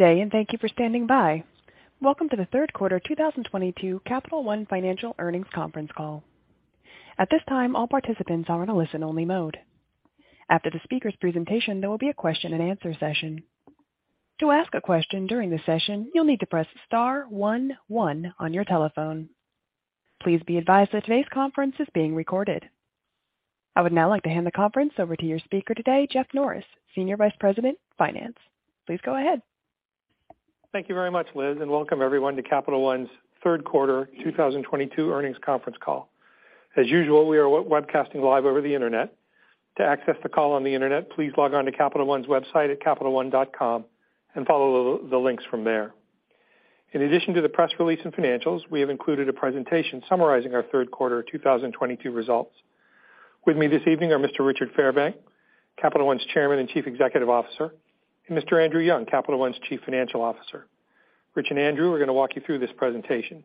Today, thank you for standing by. Welcome to the third quarter 2022 Capital One Financial earnings conference call. At this time, all participants are in a listen-only mode. After the speaker's presentation, there will be a question-and-answer session. To ask a question during the session, you'll need to press Star one one on your telephone. Please be advised that today's conference is being recorded. I would now like to hand the conference over to your speaker today, Jeff Norris, Senior Vice President, Finance. Please go ahead. Thank you very much, Liz, and welcome everyone to Capital One's third quarter 2022 earnings conference call. As usual, we are webcasting live over the Internet. To access the call on the Internet, please log on to Capital One's website at capitalone.com and follow the links from there. In addition to the press release and financials, we have included a presentation summarizing our third quarter 2022 results. With me this evening are Mr. Richard Fairbank, Capital One's Chairman and Chief Executive Officer, and Mr. Andrew Young, Capital One's Chief Financial Officer. Rich and Andrew are gonna walk you through this presentation.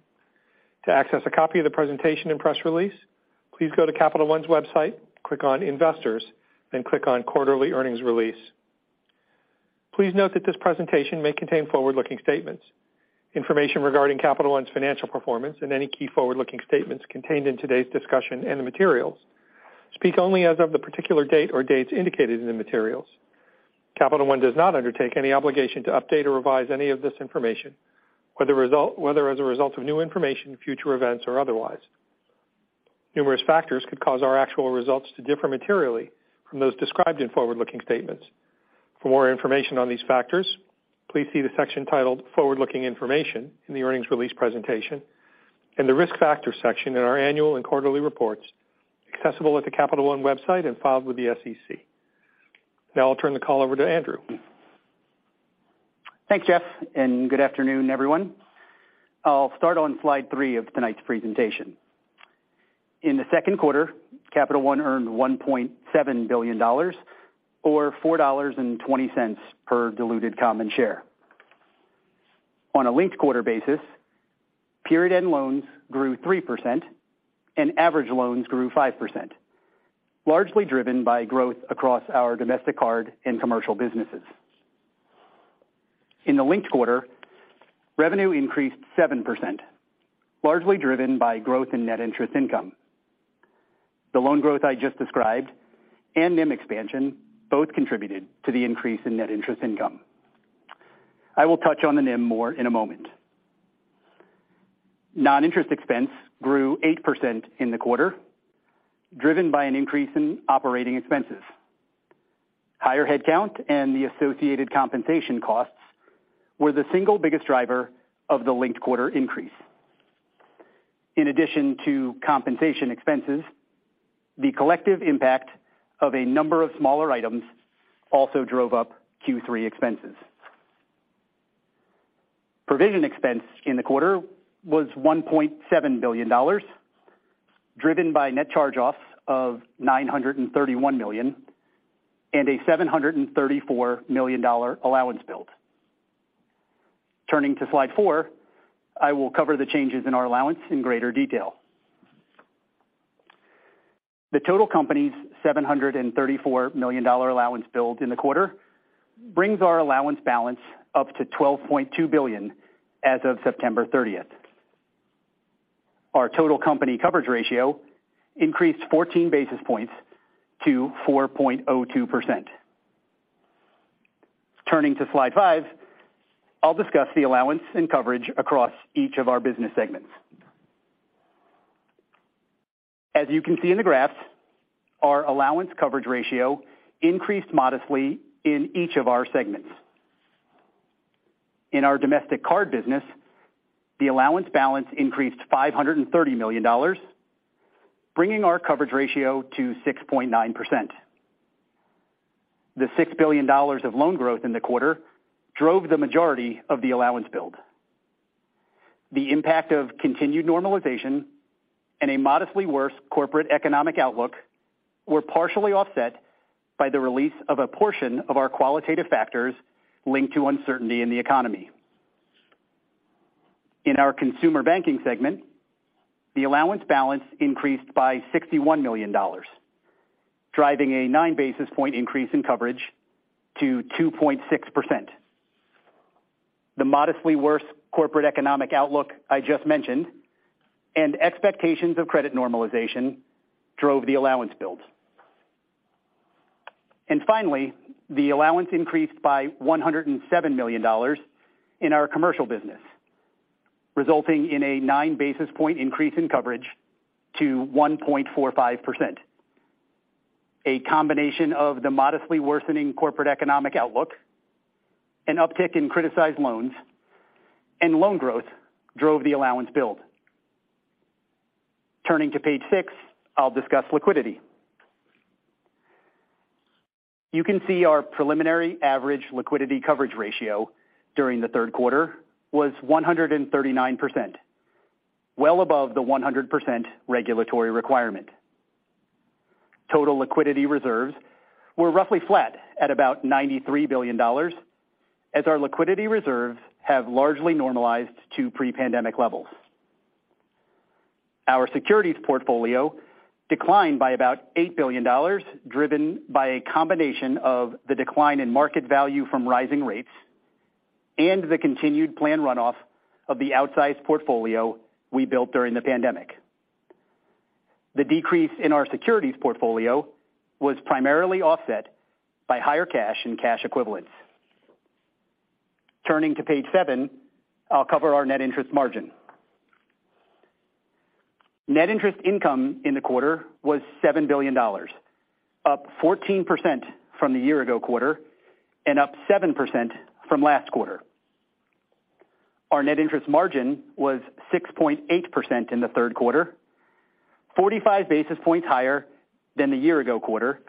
To access a copy of the presentation and press release, please go to Capital One's website, click on Investors, then click on Quarterly Earnings Release. Please note that this presentation may contain forward-looking statements. Information regarding Capital One's financial performance and any key forward-looking statements contained in today's discussion and the materials speak only as of the particular date or dates indicated in the materials. Capital One does not undertake any obligation to update or revise any of this information, whether as a result of new information, future events or otherwise. Numerous factors could cause our actual results to differ materially from those described in forward-looking statements. For more information on these factors, please see the section titled Forward-Looking Information in the earnings release presentation and the risk factors section in our annual and quarterly reports accessible at the Capital One website and filed with the SEC. Now I'll turn the call over to Andrew Young. Thanks, Jeff, and good afternoon, everyone. I'll start on slide three of tonight's presentation. In the second quarter, Capital One earned $1.7 billion or $4.20 per diluted common share. On a linked quarter basis, period end loans grew 3% and average loans grew 5%, largely driven by growth across our domestic card and commercial businesses. In the linked quarter, revenue increased 7%, largely driven by growth in net interest income. The loan growth I just described and NIM expansion both contributed to the increase in net interest income. I will touch on the NIM more in a moment. Non-interest expense grew 8% in the quarter, driven by an increase in operating expenses. Higher headcount and the associated compensation costs were the single biggest driver of the linked quarter increase. In addition to compensation expenses, the collective impact of a number of smaller items also drove up Q3 expenses. Provision expense in the quarter was $1.7 billion, driven by net charge-offs of $931 million and a $734 million allowance build. Turning to slide four, I will cover the changes in our allowance in greater detail. The total company's $734 million allowance build in the quarter brings our allowance balance up to $12.2 billion as of September 30th. Our total company coverage ratio increased 14 basis points to 4.02%. Turning to slide five, I'll discuss the allowance and coverage across each of our business segments. As you can see in the graphs, our allowance coverage ratio increased modestly in each of our segments. In our domestic card business, the allowance balance increased $530 million, bringing our coverage ratio to 6.9%. The $6 billion of loan growth in the quarter drove the majority of the allowance build. The impact of continued normalization and a modestly worse corporate economic outlook were partially offset by the release of a portion of our qualitative factors linked to uncertainty in the economy. In our consumer banking segment, the allowance balance increased by $61 million, driving a 9 basis point increase in coverage to 2.6%. The modestly worse corporate economic outlook I just mentioned and expectations of credit normalization drove the allowance builds. Finally, the allowance increased by $107 million in our commercial business, resulting in a 9 basis point increase in coverage to 1.45%. A combination of the modestly worsening corporate economic outlook, an uptick in criticized loans, and loan growth drove the allowance build. Turning to page six, I'll discuss liquidity. You can see our preliminary average liquidity coverage ratio during the third quarter was 139%, well above the 100% regulatory requirement. Total liquidity reserves were roughly flat at about $93 billion as our liquidity reserves have largely normalized to pre-pandemic levels. Our securities portfolio declined by about $8 billion, driven by a combination of the decline in market value from rising rates and the continued planned runoff of the outsized portfolio we built during the pandemic. The decrease in our securities portfolio was primarily offset by higher cash and cash equivalents. Turning to page seven, I'll cover our net interest margin. Net interest income in the quarter was $7 billion, up 14% from the year-ago quarter and up 7% from last quarter. Our net interest margin was 6.8% in the third quarter, 45 basis points higher than the year-ago quarter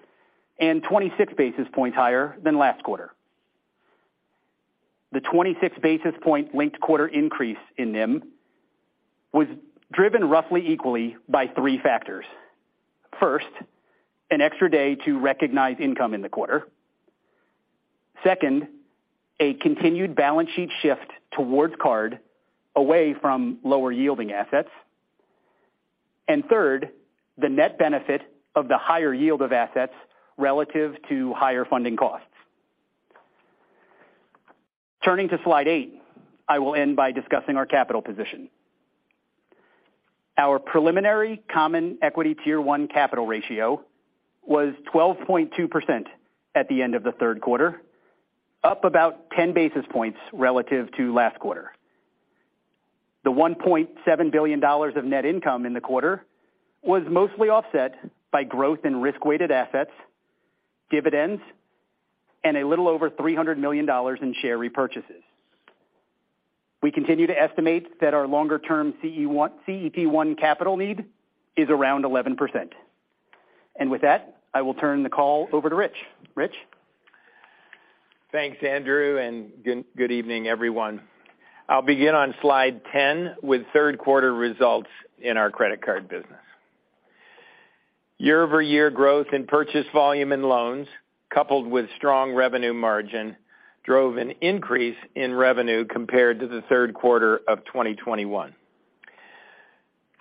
and 26 basis points higher than last quarter. The 26 basis point linked-quarter increase in NIM was driven roughly equally by three factors. First, an extra day to recognize income in the quarter. Second, a continued balance sheet shift towards card away from lower yielding assets. Third, the net benefit of the higher yield of assets relative to higher funding costs. Turning to slide eight, I will end by discussing our capital position. Our preliminary common equity Tier 1 capital ratio was 12.2% at the end of the third quarter, up about 10 basis points relative to last quarter. The $1.7 billion of net income in the quarter was mostly offset by growth in risk-weighted assets, dividends, and a little over $300 million in share repurchases. We continue to estimate that our longer-term CET1 capital need is around 11%. With that, I will turn the call over to Rich. Rich? Thanks, Andrew, and good evening, everyone. I'll begin on slide 10 with third quarter results in our credit card business. Year-over-year growth in purchase volume and loans, coupled with strong revenue margin, drove an increase in revenue compared to the third quarter of 2021.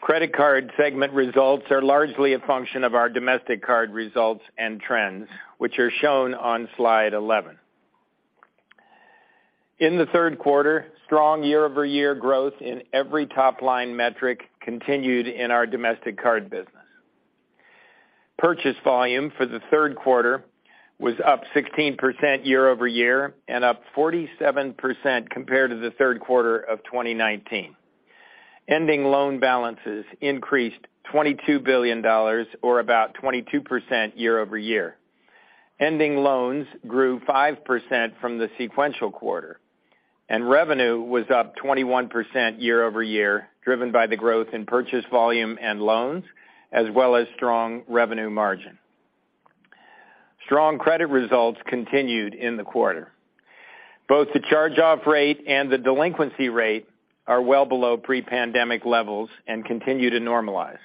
Credit card segment results are largely a function of our domestic card results and trends, which are shown on slide 11. In the third quarter, strong year-over-year growth in every top-line metric continued in our domestic card business. Purchase volume for the third quarter was up 16% year-over-year and up 47% compared to the third quarter of 2019. Ending loan balances increased $22 billion or about 22% year-over-year. Ending loans grew 5% from the sequential quarter, and revenue was up 21% year-over-year, driven by the growth in purchase volume and loans, as well as strong revenue margin. Strong credit results continued in the quarter. Both the charge-off rate and the delinquency rate are well below pre-pandemic levels and continue to normalize.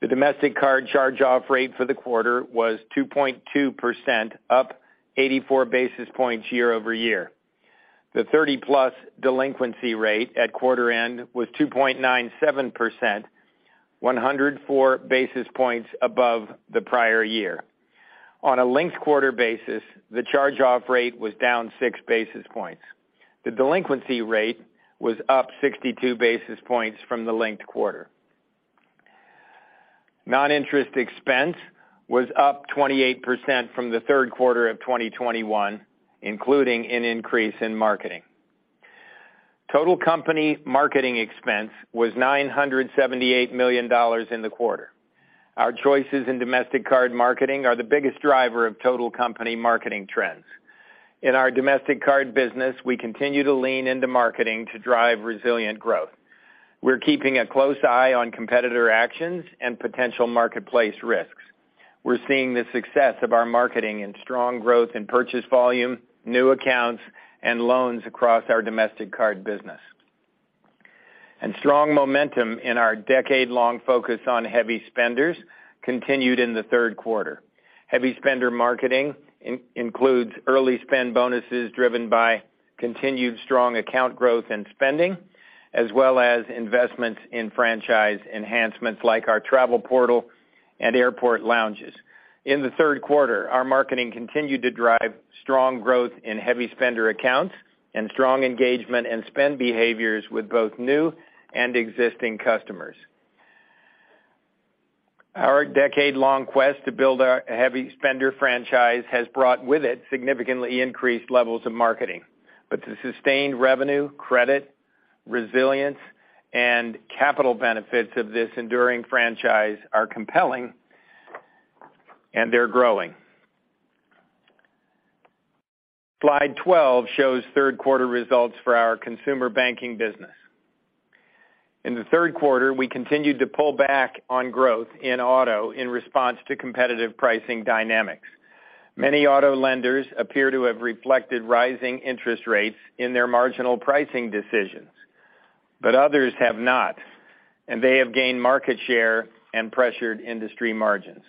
The domestic card charge-off rate for the quarter was 2.2%, up 84 basis points year-over-year. The thirty-plus delinquency rate at quarter end was 2.97%, 104 basis points above the prior year. On a linked quarter basis, the charge-off rate was down 6 basis points. The delinquency rate was up 62 basis points from the linked quarter. Non-interest expense was up 28% from the third quarter of 2021, including an increase in marketing. Total company marketing expense was $978 million in the quarter. Our choices in domestic card marketing are the biggest driver of total company marketing trends. In our domestic card business, we continue to lean into marketing to drive resilient growth. We're keeping a close eye on competitor actions and potential marketplace risks. We're seeing the success of our marketing and strong growth in purchase volume, new accounts, and loans across our domestic card business. Strong momentum in our decade-long focus on heavy spenders continued in the third quarter. Heavy spender marketing includes early spend bonuses driven by continued strong account growth and spending, as well as investments in franchise enhancements like our travel portal and airport lounges. In the third quarter, our marketing continued to drive strong growth in heavy spender accounts and strong engagement and spend behaviors with both new and existing customers. Our decade-long quest to build a heavy spender franchise has brought with it significantly increased levels of marketing. The sustained revenue, credit, resilience, and capital benefits of this enduring franchise are compelling, and they're growing. Slide 12 shows third quarter results for our consumer banking business. In the third quarter, we continued to pull back on growth in auto in response to competitive pricing dynamics. Many auto lenders appear to have reflected rising interest rates in their marginal pricing decisions, but others have not, and they have gained market share and pressured industry margins.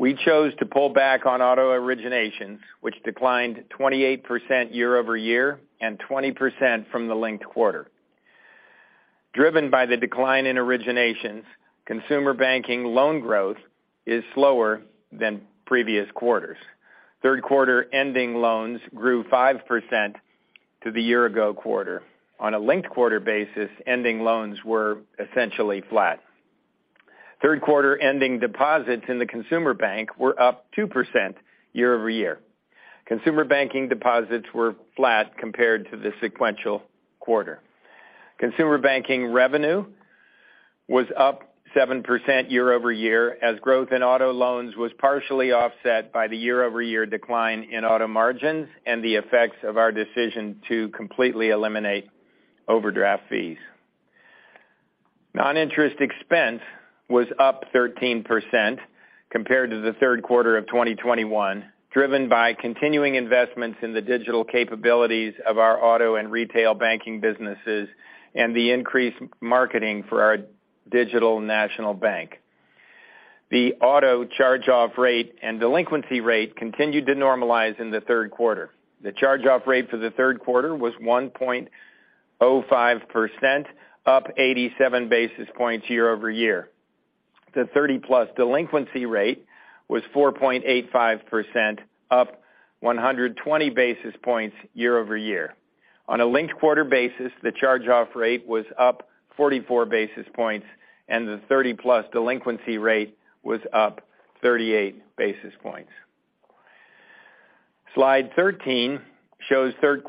We chose to pull back on auto originations, which declined 28% year-over-year and 20% from the linked quarter. Driven by the decline in originations, consumer banking loan growth is slower than previous quarters. Third quarter ending loans grew 5% to the year-ago quarter. On a linked quarter basis, ending loans were essentially flat. Third quarter ending deposits in the consumer bank were up 2% year-over-year. Consumer banking deposits were flat compared to the sequential quarter. Consumer banking revenue was up 7% year-over-year, as growth in auto loans was partially offset by the year-over-year decline in auto margins and the effects of our decision to completely eliminate overdraft fees. Non-interest expense was up 13% compared to the third quarter of 2021, driven by continuing investments in the digital capabilities of our auto and retail banking businesses and the increased marketing for our digital national bank. The auto charge-off rate and delinquency rate continued to normalize in the third quarter. The charge-off rate for the third quarter was 1.05%, up 87 basis points year-over-year. The thirty-plus delinquency rate was 4.85%, up 120 basis points year-over-year. On a linked quarter basis, the charge-off rate was up 44 basis points, and the thirty-plus delinquency rate was up 38 basis points. Slide 13 shows third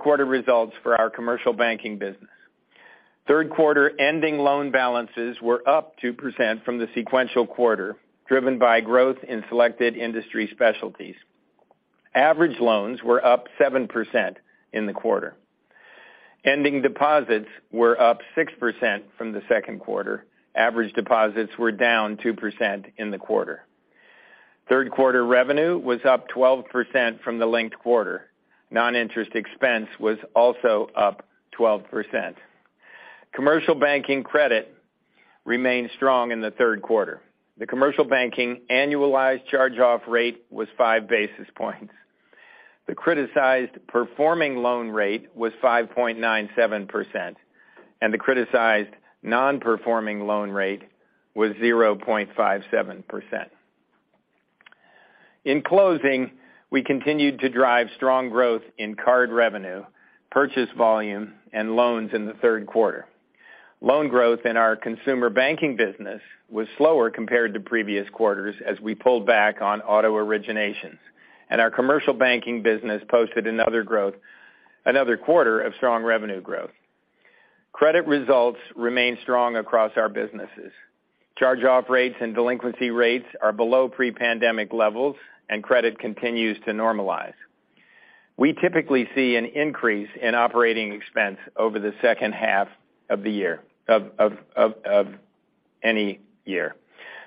quarter results for our commercial banking business. Third quarter ending loan balances were up 2% from the sequential quarter, driven by growth in selected industry specialties. Average loans were up 7% in the quarter. Ending deposits were up 6% from the second quarter. Average deposits were down 2% in the quarter. Third quarter revenue was up 12% from the linked quarter. Non-interest expense was also up 12%. Commercial banking credit remained strong in the third quarter. The commercial banking annualized charge-off rate was 5 basis points. The criticized performing loan rate was 5.97%, and the criticized non-performing loan rate was 0.57%. In closing, we continued to drive strong growth in card revenue, purchase volume, and loans in the third quarter. Loan growth in our consumer banking business was slower compared to previous quarters as we pulled back on auto originations, and our commercial banking business posted another quarter of strong revenue growth. Credit results remain strong across our businesses. Charge-off rates and delinquency rates are below pre-pandemic levels, and credit continues to normalize. We typically see an increase in operating expense over the second half of the year, of any year.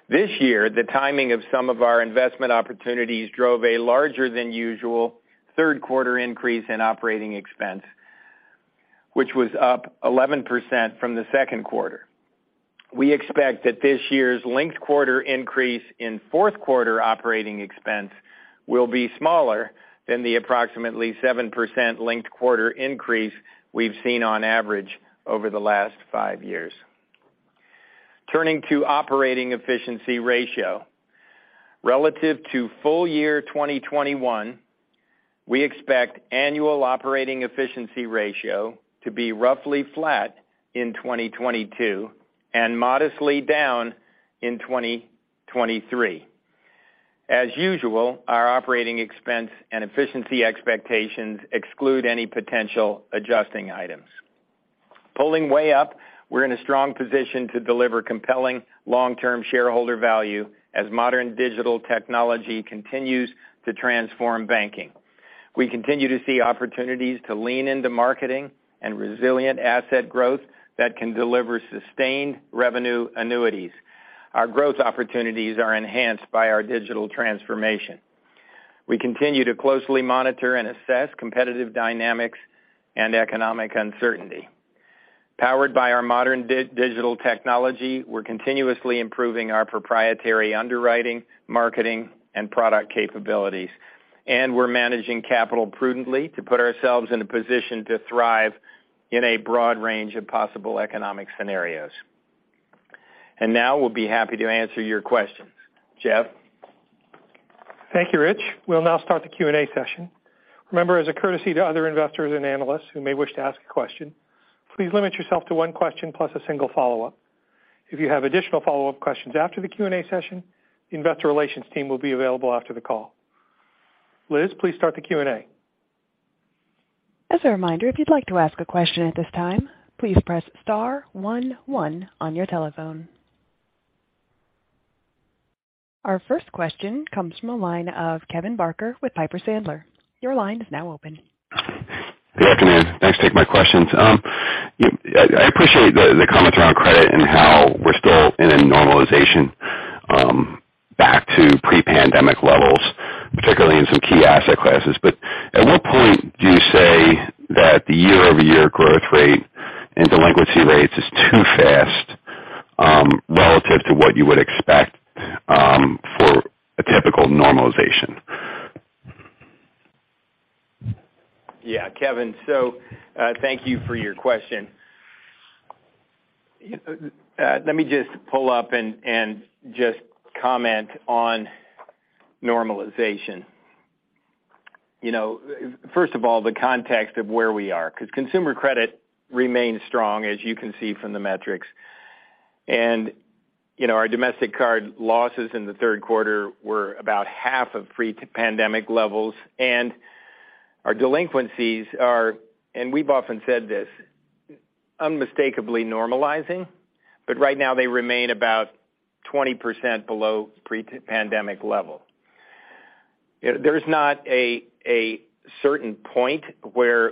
This year, the timing of some of our investment opportunities drove a larger than usual third quarter increase in operating expense, which was up 11% from the second quarter. We expect that this year's linked quarter increase in fourth quarter operating expense will be smaller than the approximately 7% linked quarter increase we've seen on average over the last five years. Turning to operating efficiency ratio. Relative to full year 2021, we expect annual operating efficiency ratio to be roughly flat in 2022 and modestly down in 2023. As usual, our operating expense and efficiency expectations exclude any potential adjusting items. Pulling way up, we're in a strong position to deliver compelling long-term shareholder value as modern digital technology continues to transform banking. We continue to see opportunities to lean into marketing and resilient asset growth that can deliver sustained revenue annuities. Our growth opportunities are enhanced by our digital transformation. We continue to closely monitor and assess competitive dynamics and economic uncertainty. Powered by our modern digital technology, we're continuously improving our proprietary underwriting, marketing, and product capabilities, and we're managing capital prudently to put ourselves in a position to thrive in a broad range of possible economic scenarios. Now we'll be happy to answer your questions. Jeff? Thank you, Rich. We'll now start the Q&A session. Remember, as a courtesy to other investors and analysts who may wish to ask a question, please limit yourself to one question plus a single follow-up. If you have additional follow-up questions after the Q&A session, the investor relations team will be available after the call. Liz, please start the Q&A. As a reminder, if you'd like to ask a question at this time, please press Star one one on your telephone. Our first question comes from the line of Kevin Barker with Piper Sandler. Your line is now open. Good afternoon. Thanks for taking my questions. I appreciate the comments around credit and how we're still in a normalization back to pre-pandemic levels. Particularly in some key asset classes. At what point do you say that the year-over-year growth rate and delinquency rates is too fast, relative to what you would expect, for a typical normalization? Yeah, Kevin. So, thank you for your question. Let me just pull up and just comment on normalization. You know, first of all, the context of where we are, 'cause consumer credit remains strong, as you can see from the metrics. You know, our domestic card losses in the third quarter were about half of pre-pandemic levels, and our delinquencies are, and we've often said this, unmistakably normalizing, but right now they remain about 20% below pre-pandemic level. There's not a certain point where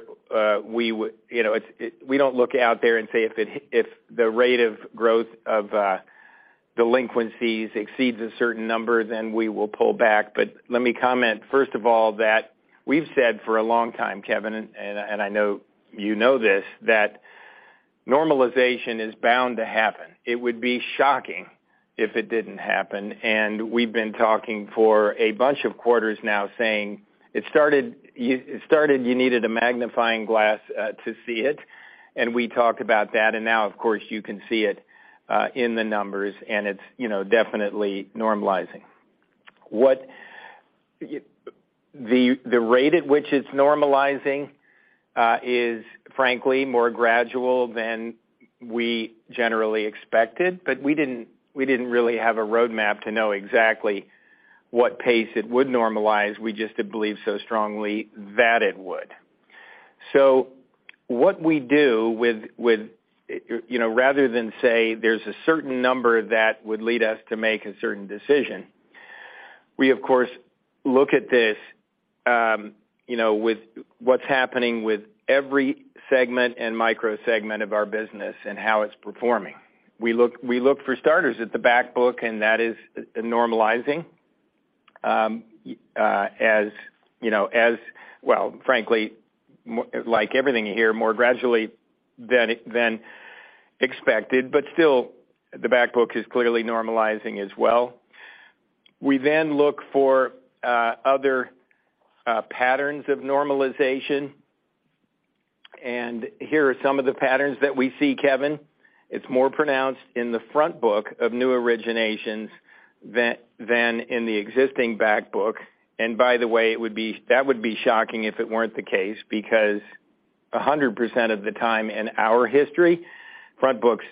we would, you know, it's, we don't look out there and say, if the rate of growth of delinquencies exceeds a certain number, then we will pull back. Let me comment, first of all, that we've said for a long time, Kevin, and I know you know this, that normalization is bound to happen. It would be shocking if it didn't happen. We've been talking for a bunch of quarters now saying it started. You needed a magnifying glass to see it, and we talked about that. Now, of course, you can see it in the numbers, and it's, you know, definitely normalizing. The rate at which it's normalizing is frankly more gradual than we generally expected. We didn't really have a roadmap to know exactly what pace it would normalize. We just believe so strongly that it would. What we do with, you know, rather than say there's a certain number that would lead us to make a certain decision, we, of course, look at this with what's happening with every segment and micro segment of our business and how it's performing. We look, for starters, at the back book, and that is normalizing, as you know, as well, frankly, like everything you hear, more gradually than expected. Still, the back book is clearly normalizing as well. We then look for other patterns of normalization, and here are some of the patterns that we see, Kevin. It's more pronounced in the front book of new originations than in the existing back book. By the way, it would be shocking if it weren't the case, because 100% of the time in our history, front books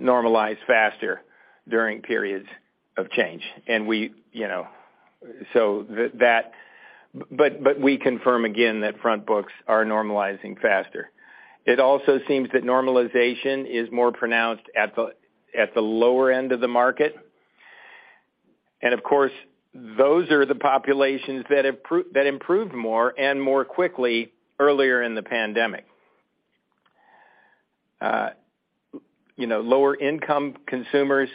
normalize faster during periods of change. We, you know, confirm again that front books are normalizing faster. It also seems that normalization is more pronounced at the lower end of the market. Of course, those are the populations that improved more and more quickly earlier in the pandemic. You know, lower-income consumers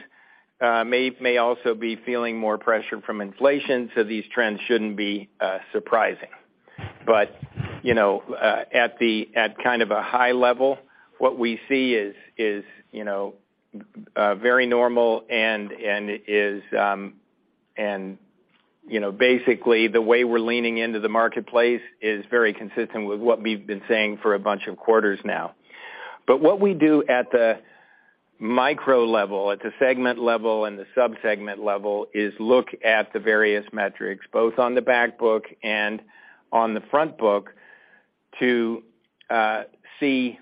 may also be feeling more pressure from inflation, so these trends shouldn't be surprising. You know, at kind of a high level, what we see is you know very normal and is and you know basically the way we're leaning into the marketplace is very consistent with what we've been saying for a bunch of quarters now. What we do at the micro level, at the segment level and the sub-segment level, is look at the various metrics, both on the back book and on the front book, to see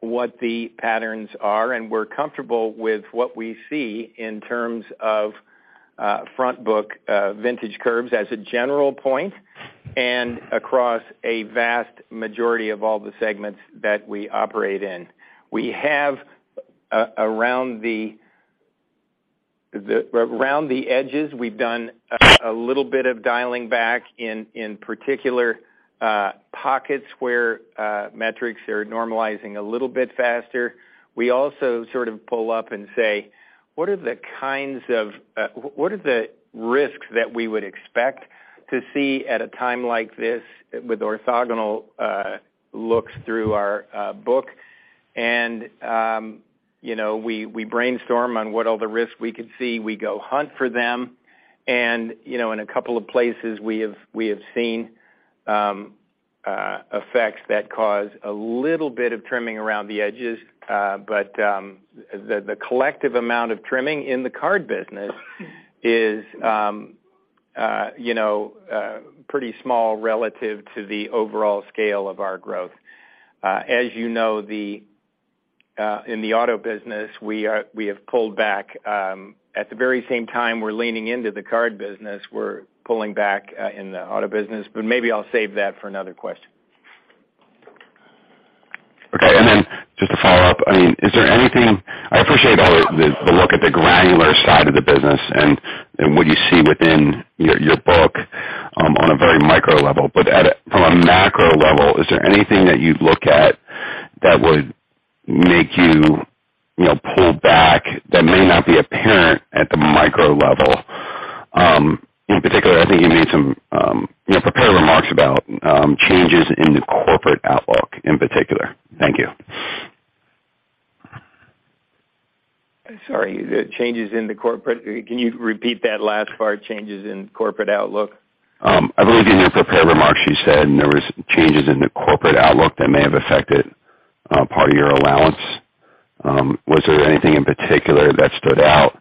what the patterns are. We're comfortable with what we see in terms of front book, vintage curves as a general point and across a vast majority of all the segments that we operate in. Around the edges, we've done a little bit of dialing back in particular pockets where metrics are normalizing a little bit faster. We also sort of pull up and say, what are the risks that we would expect to see at a time like this with orthogonal looks through our book? You know, we brainstorm on what all the risks we could see. We go hunt for them. You know, in a couple of places, we have seen effects that cause a little bit of trimming around the edges. The collective amount of trimming in the card business is, you know, pretty small relative to the overall scale of our growth. As you know, in the auto business, we have pulled back. At the very same time we're leaning into the card business, we're pulling back in the auto business. Maybe I'll save that for another question. Okay. Just a follow-up. I mean, is there anything. I appreciate all the look at the granular side of the business and what you see within your book on a very micro level. From a macro level, is there anything that you look at that would make you know, pull back that may not be apparent at the micro level. In particular, I think you made some you know prepared remarks about changes in the corporate outlook in particular. Thank you. Sorry. Can you repeat that last part, changes in corporate outlook? I believe in your prepared remarks you said there was changes in the corporate outlook that may have affected part of your allowance. Was there anything in particular that stood out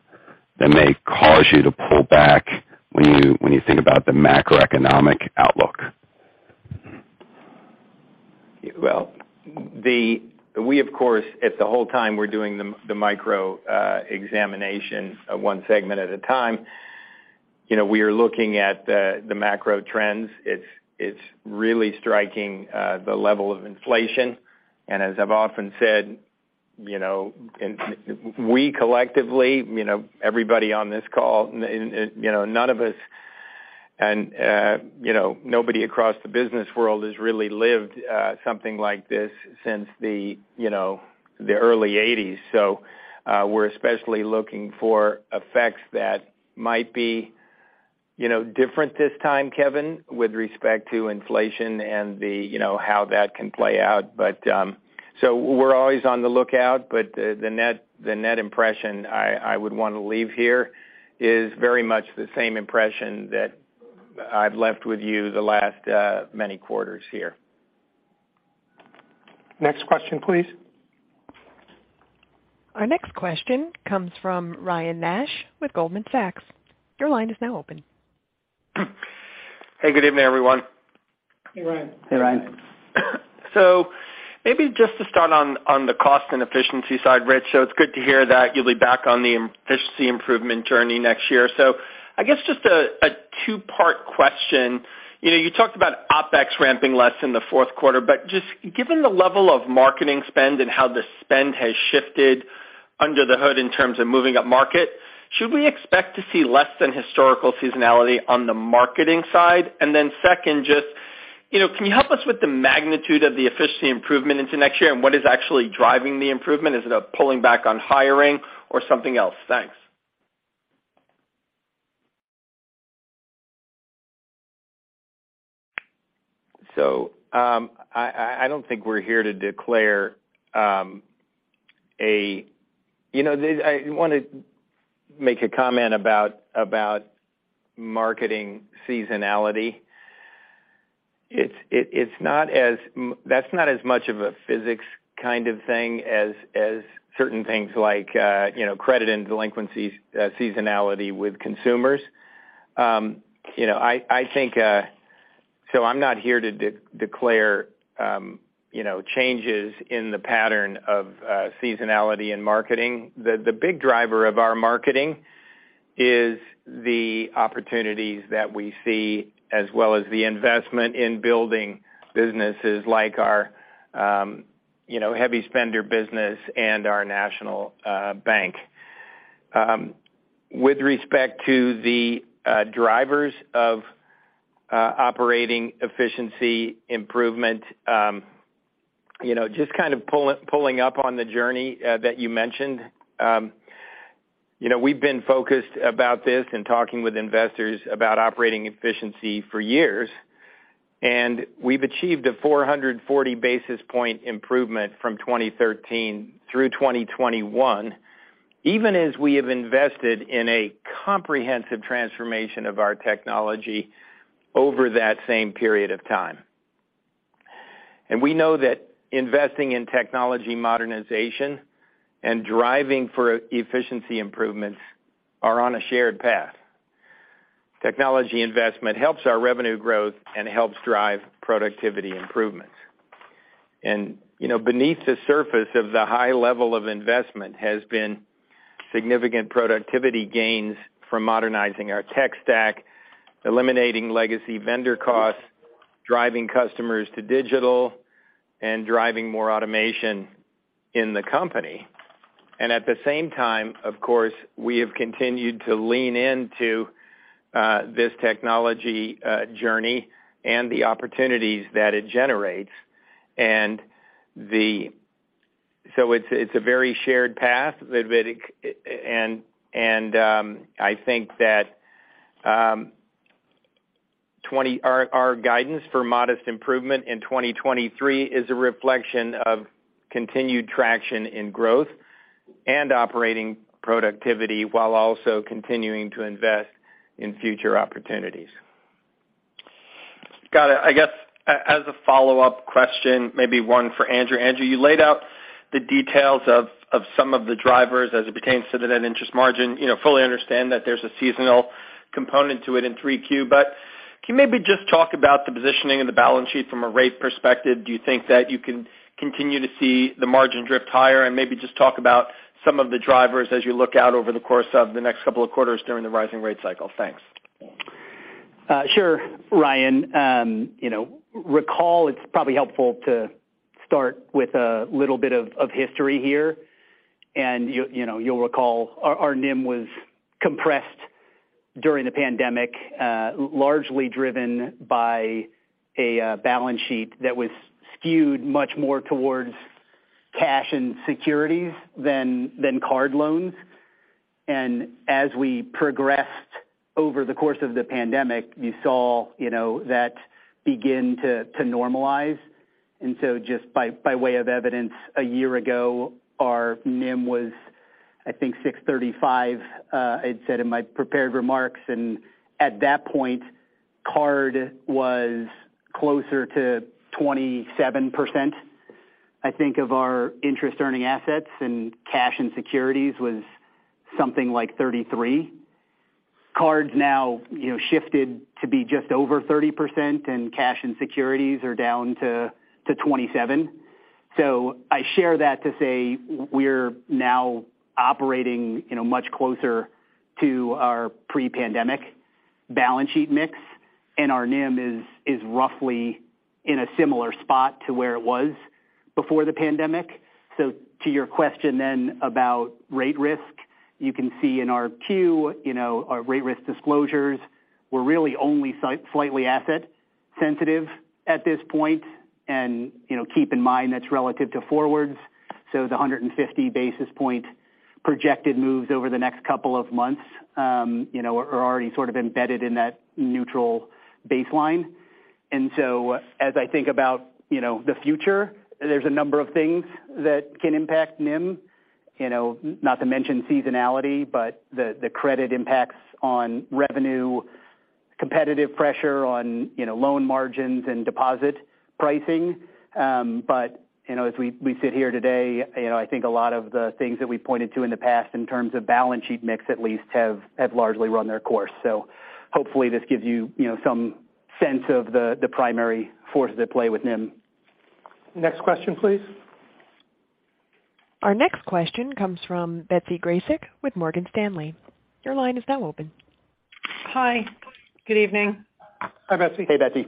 that may cause you to pull back when you think about the macroeconomic outlook? Well, we of course, if the whole time we're doing the micro examination of one segment at a time, you know, we are looking at the macro trends. It's really striking the level of inflation. As I've often said, you know, and we collectively, you know, everybody on this call, and, you know, none of us and, you know, nobody across the business world has really lived something like this since the, you know, the early eighties. We're especially looking for effects that might be, you know, different this time, Kevin, with respect to inflation and the, you know, how that can play out. We're always on the lookout. The net impression I would want to leave here is very much the same impression that I've left with you the last many quarters here. Next question, please. Our next question comes from Ryan Nash with Goldman Sachs. Your line is now open. Hey, good evening, everyone. Hey, Ryan. Hey, Ryan. Maybe just to start on the cost and efficiency side, Richard. It's good to hear that you'll be back on the efficiency improvement journey next year. I guess just a two-part question. You know, you talked about OpEx ramping less in the fourth quarter, but just given the level of marketing spend and how the spend has shifted under the hood in terms of moving up market, should we expect to see less than historical seasonality on the marketing side? Then second, just, you know, can you help us with the magnitude of the efficiency improvement into next year and what is actually driving the improvement? Is it a pulling back on hiring or something else? Thanks. I don't think we're here to declare. You know, I want to make a comment about marketing seasonality. It's not as much of a physics kind of thing as certain things like, you know, credit and delinquencies seasonality with consumers. You know, I think I'm not here to declare changes in the pattern of seasonality in marketing. The big driver of our marketing is the opportunities that we see, as well as the investment in building businesses like our, you know, heavy spender business and our national bank. With respect to the drivers of operating efficiency improvement, you know, just kind of pulling up on the journey that you mentioned, you know, we've been focused about this and talking with investors about operating efficiency for years, and we've achieved a 440 basis point improvement from 2013 through 2021, even as we have invested in a comprehensive transformation of our technology over that same period of time. We know that investing in technology modernization and driving for efficiency improvements are on a shared path. Technology investment helps our revenue growth and helps drive productivity improvements. You know, beneath the surface of the high level of investment has been significant productivity gains from modernizing our tech stack, eliminating legacy vendor costs, driving customers to digital and driving more automation in the company. At the same time, of course, we have continued to lean into this technology journey and the opportunities that it generates. I think that our guidance for modest improvement in 2023 is a reflection of continued traction in growth and operating productivity while also continuing to invest in future opportunities. Got it. I guess as a follow-up question, maybe one for Andrew. Andrew, you laid out the details of some of the drivers as it pertains to the net interest margin. You know, fully understand that there's a seasonal component to it in 3Q. But can you maybe just talk about the positioning and the balance sheet from a rate perspective? Do you think that you can continue to see the margin drift higher? And maybe just talk about some of the drivers as you look out over the course of the next couple of quarters during the rising rate cycle. Thanks. Sure, Ryan. You know, recall it's probably helpful to start with a little bit of history here. You know, you'll recall our NIM was compressed- During the pandemic, largely driven by a balance sheet that was skewed much more towards cash and securities than card loans. As we progressed over the course of the pandemic, you saw, you know, that begin to normalize. Just by way of evidence, a year ago, our NIM was, I think, 6.35, I had said in my prepared remarks. At that point, card was closer to 27%, I think, of our interest earning assets, and cash and securities was something like 33%. Cards now, you know, shifted to be just over 30% and cash and securities are down to 27%. I share that to say we're now operating, you know, much closer to our pre-pandemic balance sheet mix, and our NIM is roughly in a similar spot to where it was before the pandemic. To your question then about rate risk, you can see in our Q, you know, our rate risk disclosures, we're really only slightly asset sensitive at this point. You know, keep in mind that's relative to forwards. The 150 basis point projected moves over the next couple of months, you know, are already sort of embedded in that neutral baseline. As I think about, you know, the future, there's a number of things that can impact NIM. You know, not to mention seasonality, but the credit impacts on revenue, competitive pressure on, you know, loan margins and deposit pricing. You know, as we sit here today, you know, I think a lot of the things that we pointed to in the past in terms of balance sheet mix at least have largely run their course. Hopefully this gives you know, some sense of the primary forces at play with NIM. Next question, please. Our next question comes from Betsy Graseck with Morgan Stanley. Your line is now open. Hi. Good evening. Hi, Betsy. Hey, Betsy.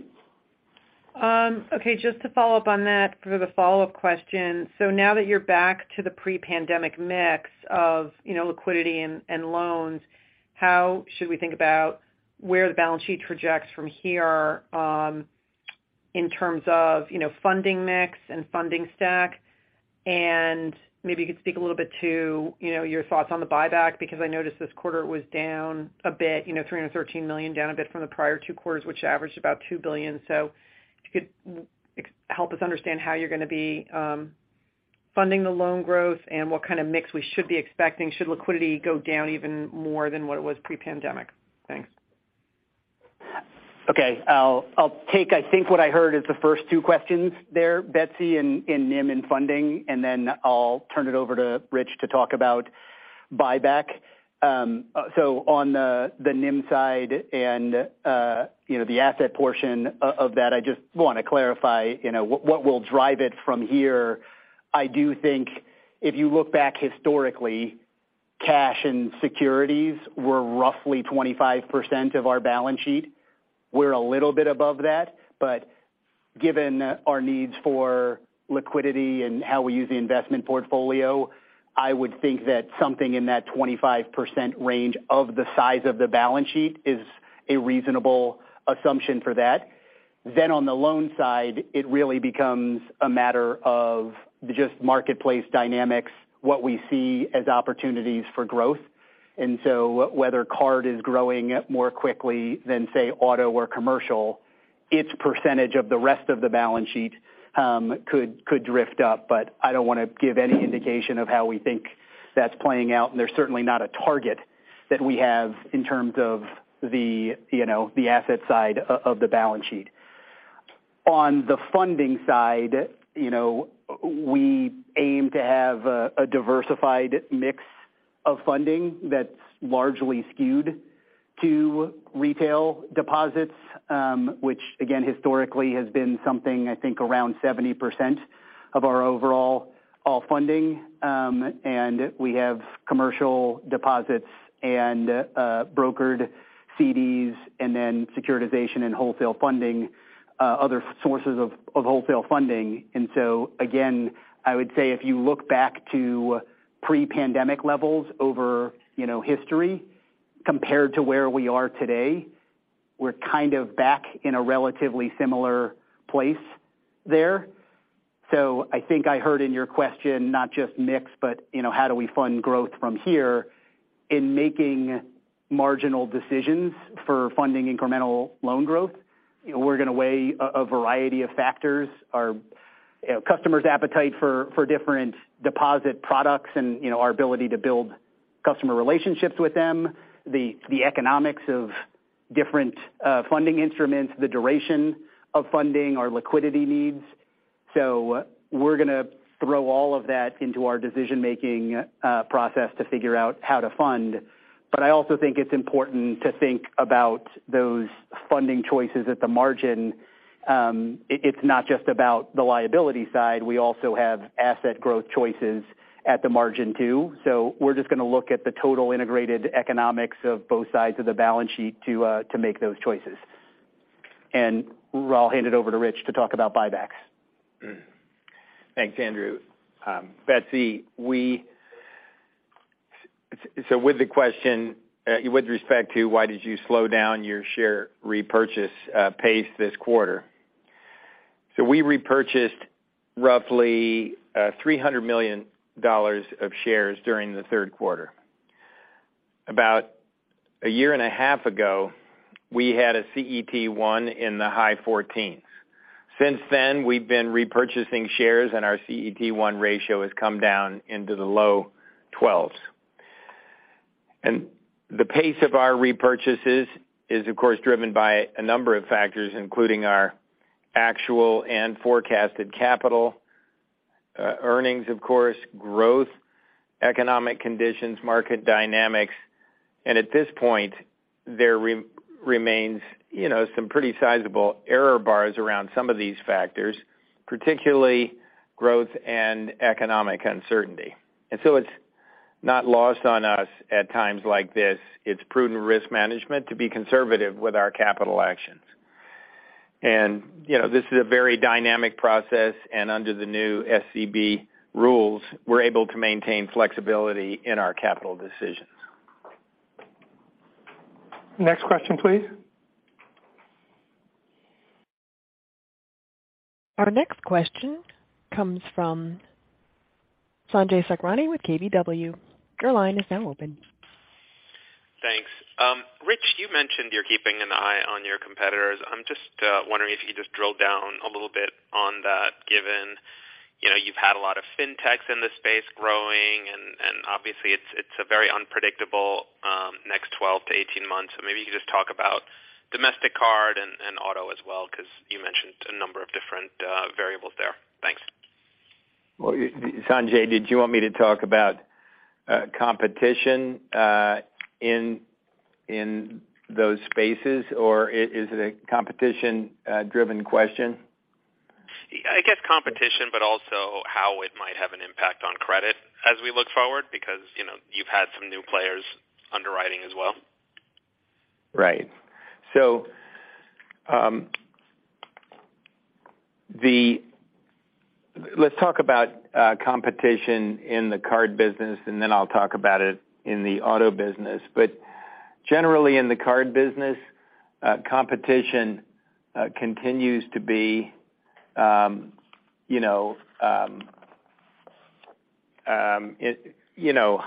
Okay, just to follow up on that for the follow-up question. Now that you're back to the pre-pandemic mix of, you know, liquidity and loans, how should we think about where the balance sheet projects from here, in terms of, you know, funding mix and funding stack? Maybe you could speak a little bit to, you know, your thoughts on the buyback, because I noticed this quarter it was down a bit, you know, $313 million down a bit from the prior two quarters, which averaged about $2 billion. If you could help us understand how you're gonna be funding the loan growth and what kind of mix we should be expecting should liquidity go down even more than what it was pre-pandemic. Thanks. Okay. I'll take, I think what I heard is the first two questions there, Betsy, in NIM and funding, and then I'll turn it over to Rich to talk about buyback. On the NIM side and, you know, the asset portion of that, I just want to clarify, you know, what will drive it from here. I do think if you look back historically, cash and securities were roughly 25% of our balance sheet. We're a little bit above that. Given our needs for liquidity and how we use the investment portfolio, I would think that something in that 25% range of the size of the balance sheet is a reasonable assumption for that. Then on the loan side, it really becomes a matter of just marketplace dynamics, what we see as opportunities for growth. Whether card is growing more quickly than, say, auto or commercial, its percentage of the rest of the balance sheet could drift up. I don't want to give any indication of how we think that's playing out, and there's certainly not a target that we have in terms of the, you know, the asset side of the balance sheet. On the funding side, you know, we aim to have a diversified mix of funding that's largely skewed to retail deposits, which again, historically has been something I think around 70% of our overall funding. We have commercial deposits and brokered CDs and then securitization and wholesale funding, other sources of wholesale funding. Again, I would say if you look back to pre-pandemic levels over, you know, history compared to where we are today, we're kind of back in a relatively similar place there. I think I heard in your question not just mix, but, you know, how do we fund growth from here. In making marginal decisions for funding incremental loan growth, you know, we're gonna weigh a variety of factors. Our, you know, customers' appetite for different deposit products and, you know, our ability to build customer relationships with them, the economics of different funding instruments, the duration of funding, our liquidity needs. We're gonna throw all of that into our decision-making process to figure out how to fund. I also think it's important to think about those funding choices at the margin. It's not just about the liability side. We also have asset growth choices at the margin too. We're just gonna look at the total integrated economics of both sides of the balance sheet to make those choices. I'll hand it over to Rich to talk about buybacks. Thanks, Andrew. Betsy, so with the question, with respect to why did you slow down your share repurchase pace this quarter? We repurchased roughly $300 million of shares during the third quarter. About a year and a half ago, we had a CET1 in the high 14s. Since then, we've been repurchasing shares, and our CET1 ratio has come down into the low 12s. The pace of our repurchases is, of course, driven by a number of factors, including our actual and forecasted capital earnings, of course, growth, economic conditions, market dynamics. At this point, there remains, you know, some pretty sizable error bars around some of these factors, particularly growth and economic uncertainty. It's not lost on us. At times like this, it's prudent risk management to be conservative with our capital actions. You know, this is a very dynamic process, and under the new SCB rules, we're able to maintain flexibility in our capital decisions. Next question, please. Our next question comes from Sanjay Sakhrani with KBW. Your line is now open. Thanks. Rich, you mentioned you're keeping an eye on your competitors. I'm just wondering if you could just drill down a little bit on that, given, you know, you've had a lot of fintechs in this space growing, and obviously it's a very unpredictable next 12-18 months. So maybe you could just talk about domestic card and auto as well, 'cause you mentioned a number of different variables there. Thanks. Well, Sanjay, did you want me to talk about competition in those spaces, or is it a competition driven question? I guess competition, but also how it might have an impact on credit as we look forward, because, you know, you've had some new players underwriting as well. Right. Let's talk about competition in the card business, and then I'll talk about it in the auto business. Generally in the card business, competition continues to be you know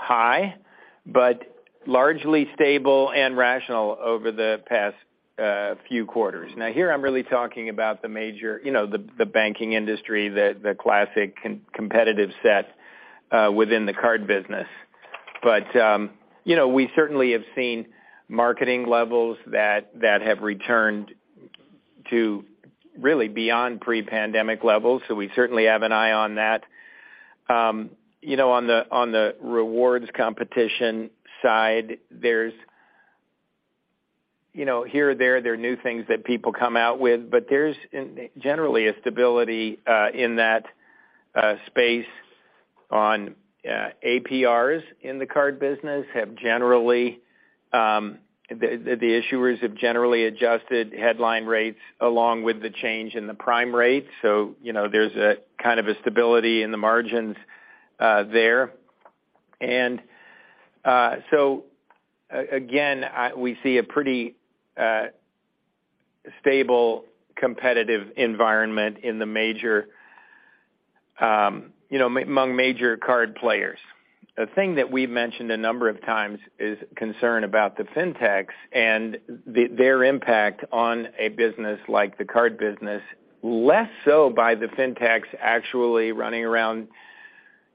high, but largely stable and rational over the past few quarters. Now here I'm really talking about the major you know the banking industry, the classic competitive set within the card business. You know we certainly have seen marketing levels that have returned to really beyond pre-pandemic levels, so we certainly have an eye on that. You know on the rewards competition side, there's you know here or there there are new things that people come out with, but there's generally a stability in that space. APRs in the card business have generally the issuers have generally adjusted headline rates along with the change in the prime rate. You know, there's a kind of a stability in the margins there. Again, we see a pretty stable competitive environment in the major, you know, among major card players. The thing that we've mentioned a number of times is concern about the fintechs and their impact on a business like the card business, less so by the fintechs actually running around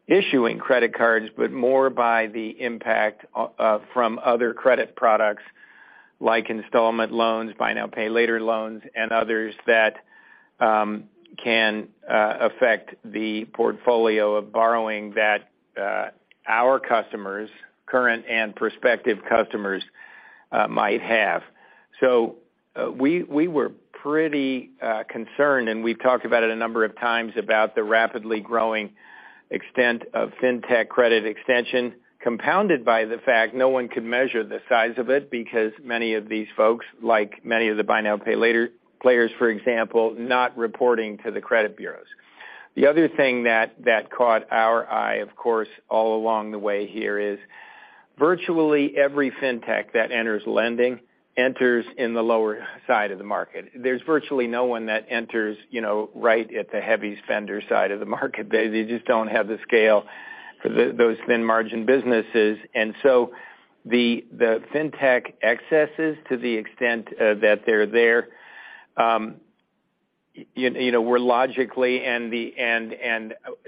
issuing credit cards, but more by the impact from other credit products like installment loans, buy now, pay later loans, and others that can affect the portfolio of borrowing that our customers, current and prospective customers, might have. We were pretty concerned, and we've talked about it a number of times, about the rapidly growing extent of fintech credit extension, compounded by the fact no one could measure the size of it because many of these folks, like many of the buy now, pay later players, for example, not reporting to the credit bureaus. The other thing that caught our eye, of course, all along the way here is virtually every fintech that enters lending enters in the lower side of the market. There's virtually no one that enters, you know, right at the heavy spender side of the market. They just don't have the scale for those thin margin businesses. The Fintech excesses, to the extent that they're there, you know, were logically and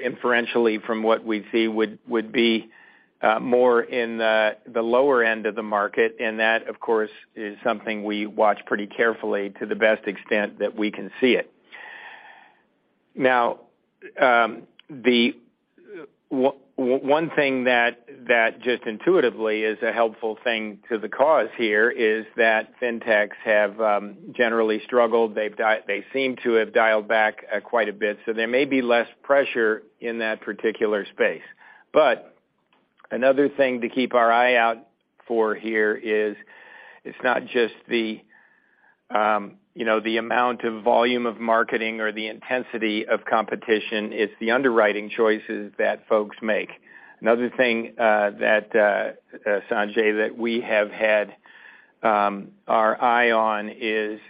inferentially from what we see would be more in the lower end of the market. That, of course, is something we watch pretty carefully to the best extent that we can see it. One thing that just intuitively is a helpful thing to the cause here is that Fintechs have generally struggled. They seem to have dialed back quite a bit, so there may be less pressure in that particular space. Another thing to keep our eye out for here is it's not just the amount of volume of marketing or the intensity of competition, it's the underwriting choices that folks make. Another thing, Sanjay, that we have had our eye on is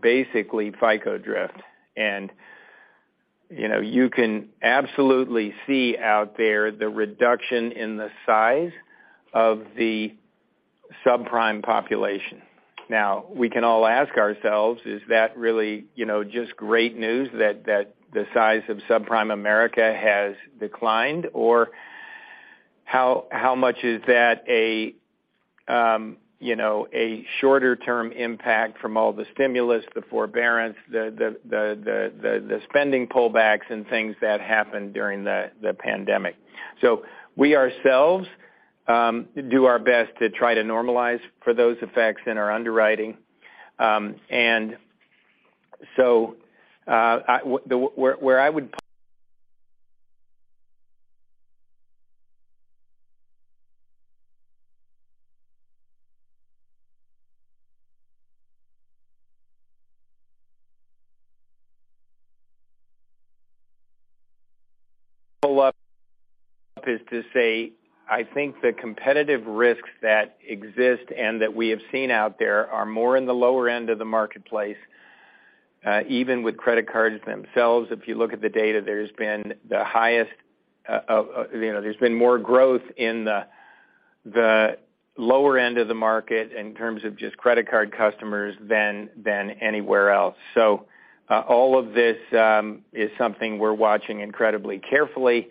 basically FICO drift. You know, you can absolutely see out there the reduction in the size of the subprime population. Now, we can all ask ourselves, is that really you know just great news that the size of subprime America has declined? Or how much is that a you know a shorter-term impact from all the stimulus, the forbearance, the spending pullbacks and things that happened during the pandemic? We ourselves do our best to try to normalize for those effects in our underwriting. I think the competitive risks that exist and that we have seen out there are more in the lower end of the marketplace, even with credit cards themselves. If you look at the data, there's been the highest, you know, there's been more growth in the lower end of the market in terms of just credit card customers than anywhere else. All of this is something we're watching incredibly carefully.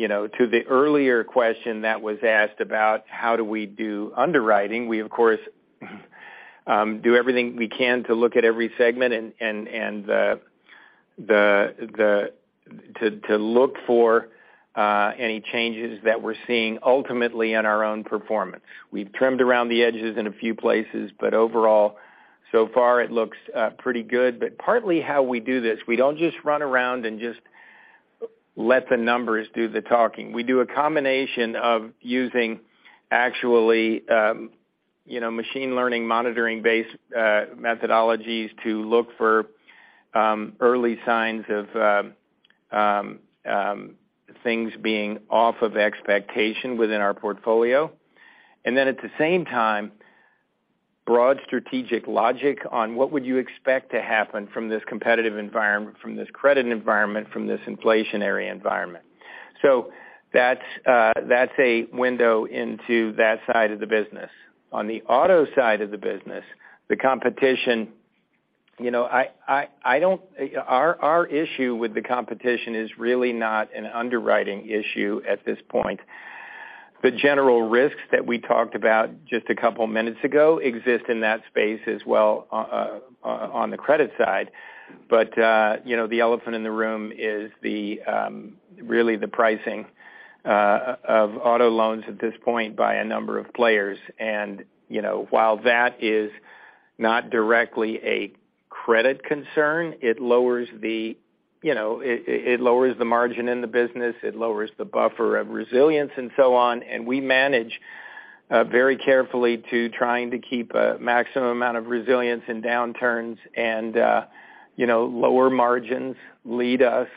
You know, to the earlier question that was asked about how do we do underwriting, we of course do everything we can to look at every segment and to look for any changes that we're seeing ultimately in our own performance. We've trimmed around the edges in a few places, but overall, so far it looks pretty good. Partly how we do this, we don't just run around and just let the numbers do the talking. We do a combination of using actually, you know, machine learning, monitoring-based methodologies to look for early signs of things being off of expectation within our portfolio. Then at the same time, broad strategic logic on what would you expect to happen from this competitive environment, from this credit environment, from this inflationary environment. That's a window into that side of the business. On the auto side of the business, the competition. You know, our issue with the competition is really not an underwriting issue at this point. The general risks that we talked about just a couple minutes ago exist in that space as well on the credit side. You know, the elephant in the room is really the pricing of auto loans at this point by a number of players. You know, while that is not directly a credit concern, it lowers the margin in the business, it lowers the buffer of resilience and so on, and we manage very carefully to trying to keep a maximum amount of resilience in downturns and you know, lower margins lead us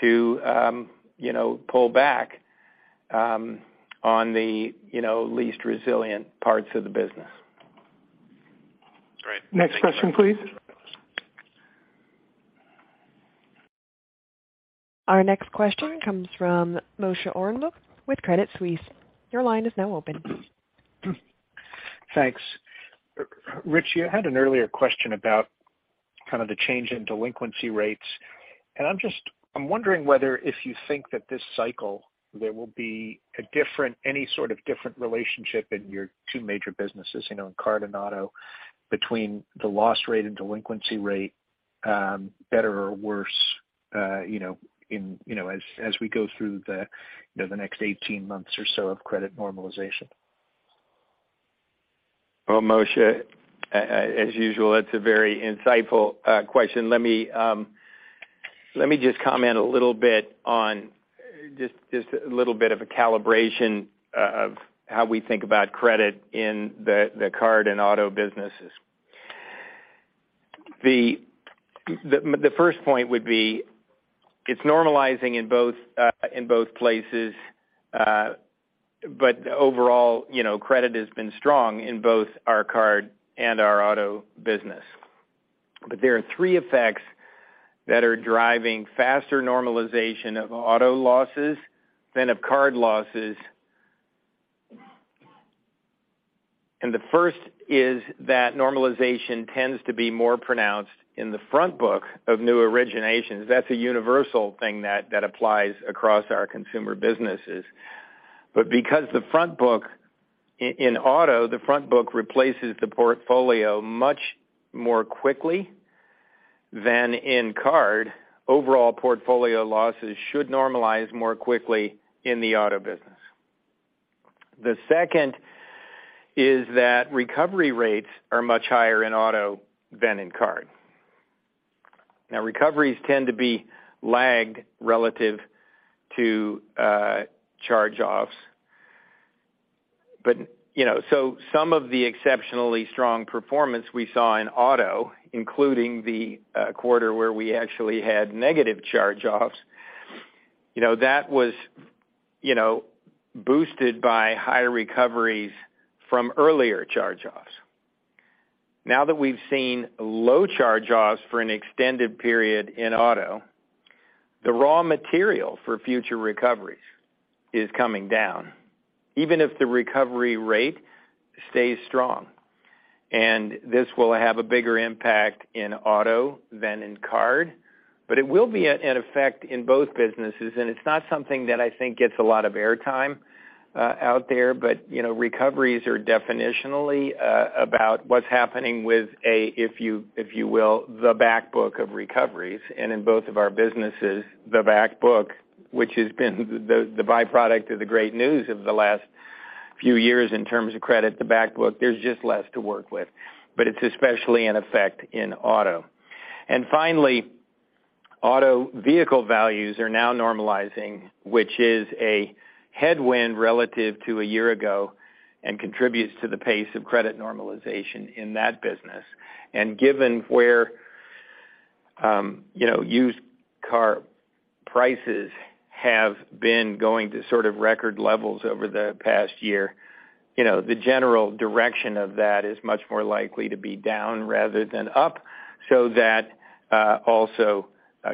to you know, pull back on the you know, least resilient parts of the business. Great. Next question, please. Our next question comes from Moshe Orenbuch with Credit Suisse. Your line is now open. Thanks. Rich, you had an earlier question about kind of the change in delinquency rates, and I'm wondering whether if you think that this cycle, there will be any sort of different relationship in your two major businesses, you know, in card and auto, between the loss rate and delinquency rate, better or worse, you know, as we go through the, you know, the next 18 months or so of credit normalization. Well, Moshe, as usual, that's a very insightful question. Let me just comment a little bit on a little bit of a calibration of how we think about credit in the card and auto businesses. The first point would be it's normalizing in both places, but overall, you know, credit has been strong in both our card and our auto business. There are three effects that are driving faster normalization of auto losses than of card losses. The first is that normalization tends to be more pronounced in the front book of new originations. That's a universal thing that applies across our consumer businesses. Because the front book in auto replaces the portfolio much more quickly than in card. Overall portfolio losses should normalize more quickly in the auto business. The second is that recovery rates are much higher in auto than in card. Now, recoveries tend to be lagged relative to charge-offs. You know, so some of the exceptionally strong performance we saw in auto, including the quarter where we actually had negative charge-offs, you know, that was, you know, boosted by higher recoveries from earlier charge-offs. Now that we've seen low charge-offs for an extended period in auto, the raw material for future recoveries is coming down, even if the recovery rate stays strong. This will have a bigger impact in auto than in card, but it will be an effect in both businesses, and it's not something that I think gets a lot of airtime out there. You know, recoveries are definitionally about what's happening with, if you will, the back book of recoveries. In both of our businesses, the back book, which has been the byproduct of the great news of the last few years in terms of credit, the back book, there's just less to work with. It's especially in effect in auto. Finally, auto vehicle values are now normalizing, which is a headwind relative to a year ago and contributes to the pace of credit normalization in that business. Given where, you know, used car prices have been going to sort of record levels over the past year, you know, the general direction of that is much more likely to be down rather than up, that also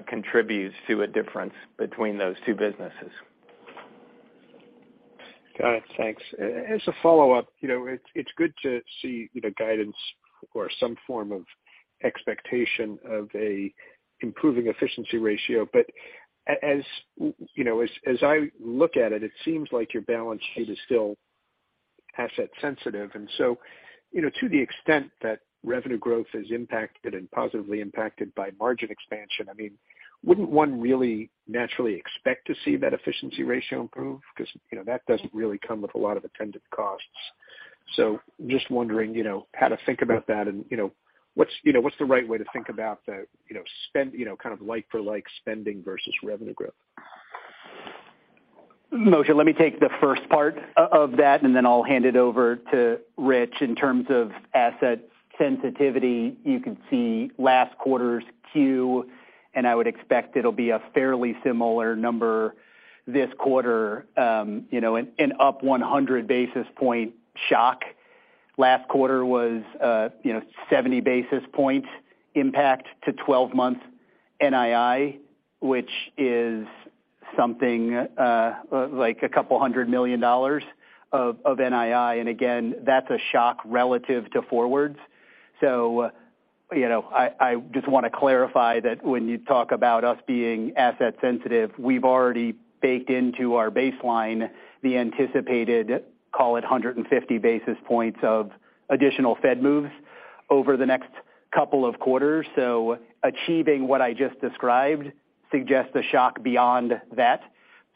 contributes to a difference between those two businesses. Got it. Thanks. As a follow-up, you know, it's good to see, you know, guidance or some form of expectation of a improving efficiency ratio. As you know, as I look at it seems like your balance sheet is still asset sensitive. You know, to the extent that revenue growth is impacted and positively impacted by margin expansion, I mean, wouldn't one really naturally expect to see that efficiency ratio improve? 'Cause, you know, that doesn't really come with a lot of attendant costs. Just wondering, you know, how to think about that and, you know, what's the right way to think about the, you know, spend, you know, kind of like-for-like spending versus revenue growth? Moshe, let me take the first part of that, and then I'll hand it over to Rich. In terms of asset sensitivity, you can see last quarter's Q, and I would expect it'll be a fairly similar number this quarter, you know, an up 100 basis point shock. Last quarter was, you know, 70 basis points impact to 12-month NII, which is something like $200 million of NII. Again, that's a shock relative to forwards. You know, I just want to clarify that when you talk about us being asset sensitive, we've already baked into our baseline the anticipated, call it 150 basis points of additional Fed moves over the next couple of quarters. Achieving what I just described suggests a shock beyond that.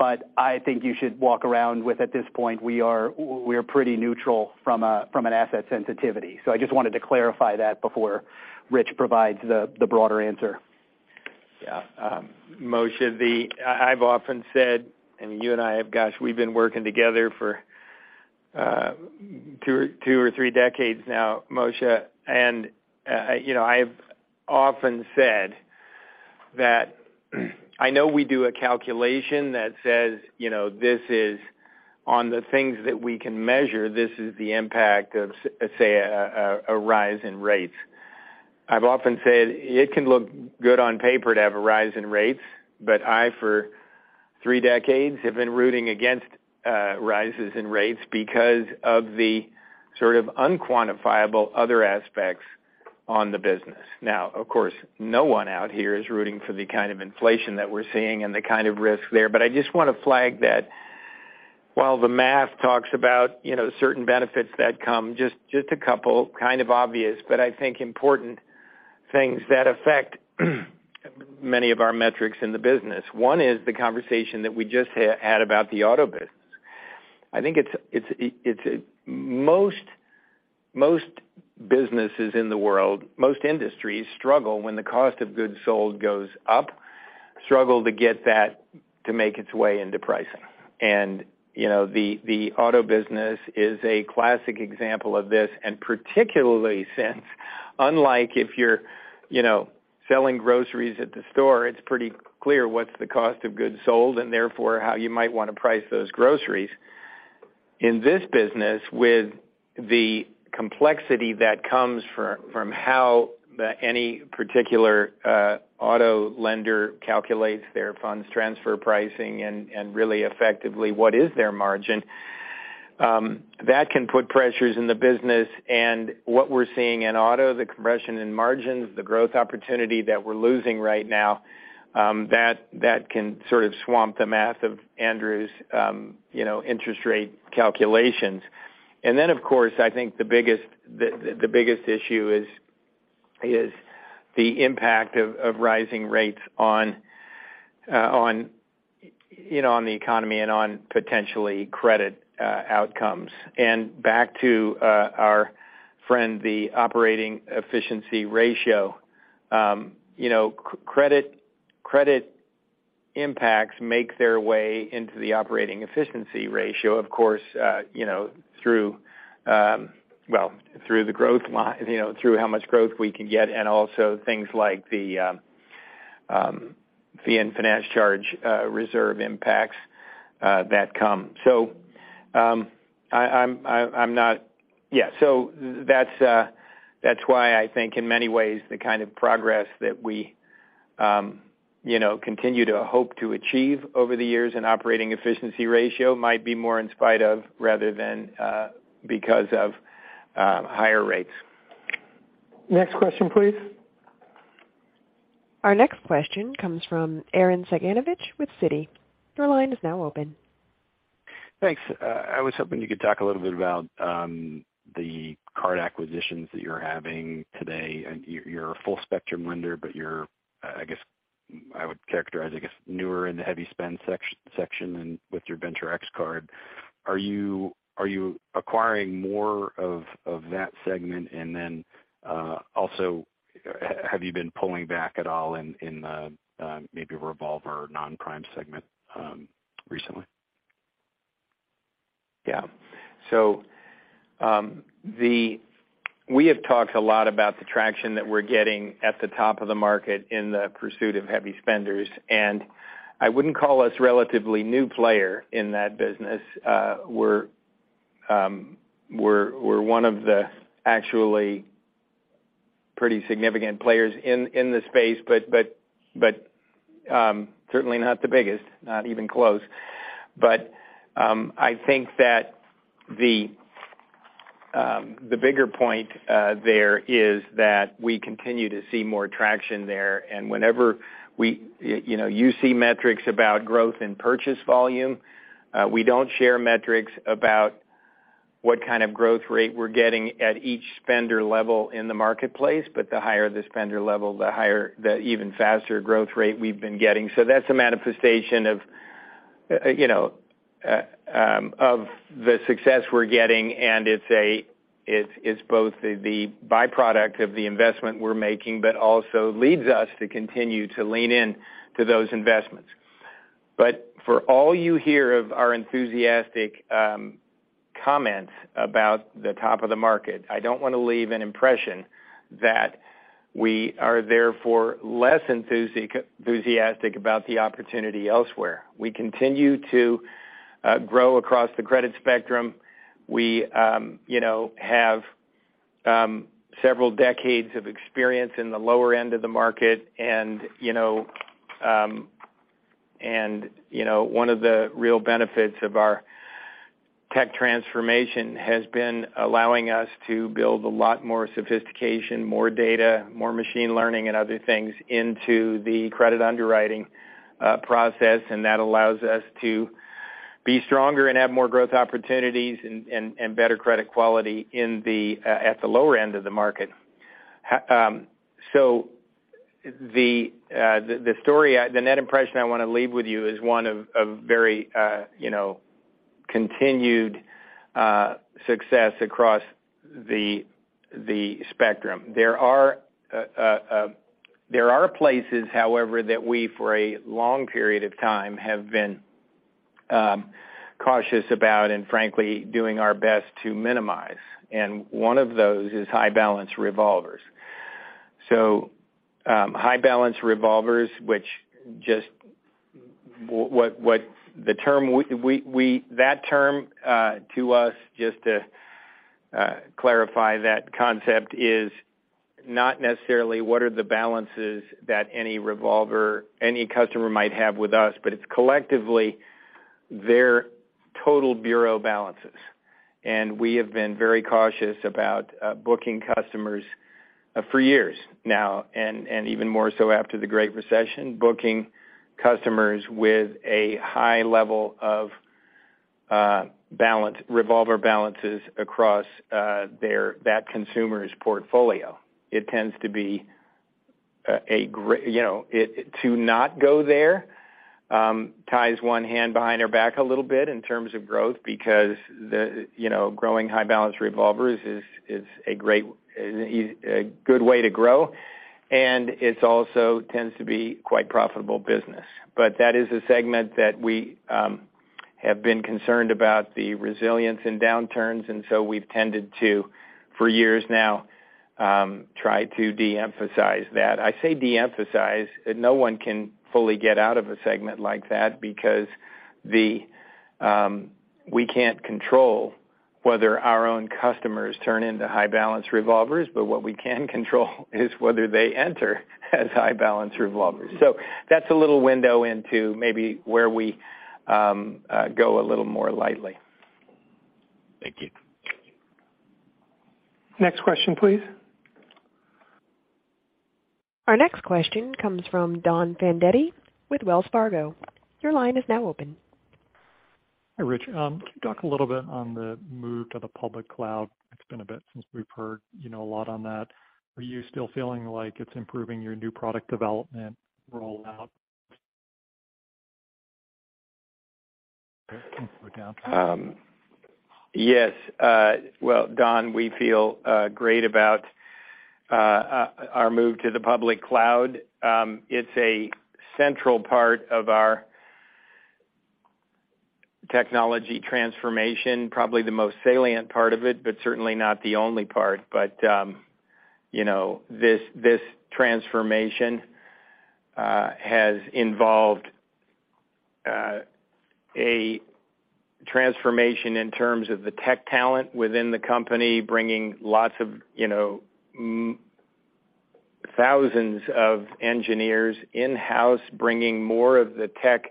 I think you should walk around with, at this point, we're pretty neutral from an asset sensitivity. I just wanted to clarify that before Rich provides the broader answer. Yeah. Moshe, I've often said, and you and I have, gosh, we've been working together for two or three decades now, Moshe. You know, I've often said that I know we do a calculation that says, you know, this is on the things that we can measure, this is the impact of, say, a rise in rates. I've often said it can look good on paper to have a rise in rates, but I, for three decades, have been rooting against rises in rates because of the sort of unquantifiable other aspects on the business. Now, of course, no one out here is rooting for the kind of inflation that we're seeing and the kind of risk there. I just want to flag that while the math talks about, you know, certain benefits that come, just a couple kind of obvious, but I think important things that affect many of our metrics in the business. One is the conversation that we just had about the auto business. I think it's most businesses in the world, most industries struggle when the cost of goods sold goes up, struggle to get that to make its way into pricing. you know, the auto business is a classic example of this. Particularly since, unlike if you're, you know, selling groceries at the store, it's pretty clear what's the cost of goods sold and therefore how you might want to price those groceries. In this business, with the complexity that comes from how the any particular auto lender calculates their funds transfer pricing and really effectively what is their margin, that can put pressures in the business. What we're seeing in auto, the compression in margins, the growth opportunity that we're losing right now, that can sort of swamp the math of Andrew's you know interest rate calculations. Then, of course, I think the biggest issue is the impact of rising rates on you know on the economy and on potentially credit outcomes. Back to our friend, the operating efficiency ratio. You know, credit impacts make their way into the operating efficiency ratio, of course. You know, through the growth line, you know, through how much growth we can get and also things like the fee and finance charge reserve impacts that come. So that's why I think in many ways the kind of progress that we, you know, continue to hope to achieve over the years in operating efficiency ratio might be more in spite of rather than because of higher rates. Next question, please. Our next question comes from Arren Cyganovich with Citi. Your line is now open. Thanks. I was hoping you could talk a little bit about the card acquisitions that you're having today, and you're a full spectrum lender, but I guess I would characterize you as newer in the heavy spend sector and with your Venture X card. Are you acquiring more of that segment? Also, have you been pulling back at all in the maybe revolver non-prime segment recently? Yeah. We have talked a lot about the traction that we're getting at the top of the market in the pursuit of heavy spenders, and I wouldn't call us relatively new player in that business. We're one of the actually pretty significant players in the space, but certainly not the biggest, not even close. I think that the bigger point there is that we continue to see more traction there. Whenever you know you see metrics about growth in purchase volume, we don't share metrics about what kind of growth rate we're getting at each spender level in the marketplace, but the higher the spender level, the higher the even faster growth rate we've been getting. That's a manifestation of the success we're getting, and it's both the byproduct of the investment we're making, but also leads us to continue to lean in to those investments. For all you hear of our enthusiastic comments about the top of the market, I don't want to leave an impression that we are therefore less enthusiastic about the opportunity elsewhere. We continue to grow across the credit spectrum. We have several decades of experience in the lower end of the market. You know, one of the real benefits of our tech transformation has been allowing us to build a lot more sophistication, more data, more machine learning and other things into the credit underwriting process, and that allows us to be stronger and have more growth opportunities and better credit quality in the at the lower end of the market. The net impression I wanna leave with you is one of very you know continued success across the spectrum. There are places, however, that we, for a long period of time, have been cautious about and frankly doing our best to minimize. One of those is high balance revolvers. High balance revolvers, to us, just to clarify that concept, is not necessarily what are the balances that any customer might have with us, but it's collectively their total bureau balances. We have been very cautious about booking customers for years now, and even more so after the Great Recession, booking customers with a high level of balance, revolver balances across that consumer's portfolio. It tends to be a great, you know, to not go there ties one hand behind our back a little bit in terms of growth because, you know, growing high balance revolvers is a good way to grow, and it's also tends to be quite profitable business. That is a segment that we have been concerned about the resilience in downturns, and so we've tended to, for years now, try to de-emphasize that. I say de-emphasize. No one can fully get out of a segment like that because we can't control whether our own customers turn into high balance revolvers, but what we can control is whether they enter as high balance revolvers. That's a little window into maybe where we go a little more lightly. Thank you. Next question, please. Our next question comes from Donald Fandetti with Wells Fargo. Your line is now open. Hi, Richard. Can you talk a little bit on the move to the public cloud? It's been a bit since we've heard, you know, a lot on that. Are you still feeling like it's improving your new product development rollout? Yes. Well, Don, we feel great about our move to the public cloud. It's a central part of our technology transformation, probably the most salient part of it, but certainly not the only part. You know, this transformation has involved a transformation in terms of the tech talent within the company, bringing lots of, you know, thousands of engineers in-house, bringing more of the tech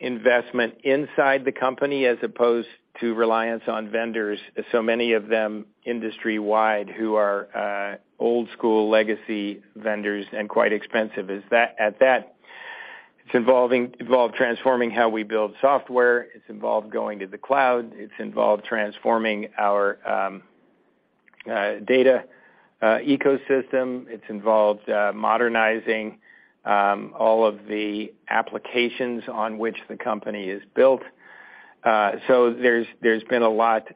investment inside the company as opposed to reliance on vendors, so many of them industry-wide, who are old school legacy vendors and quite expensive. It's involved transforming how we build software. It's involved going to the cloud. It's involved transforming our data ecosystem. It's involved modernizing all of the applications on which the company is built. There's been a lot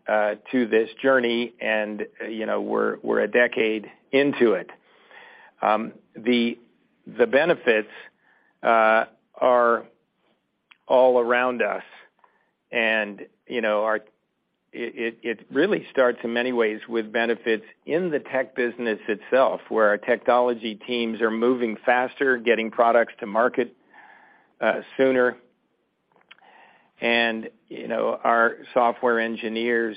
to this journey and, you know, we're a decade into it. The benefits are all around us. You know, it really starts in many ways with benefits in the tech business itself, where our technology teams are moving faster, getting products to market sooner. You know, our software engineers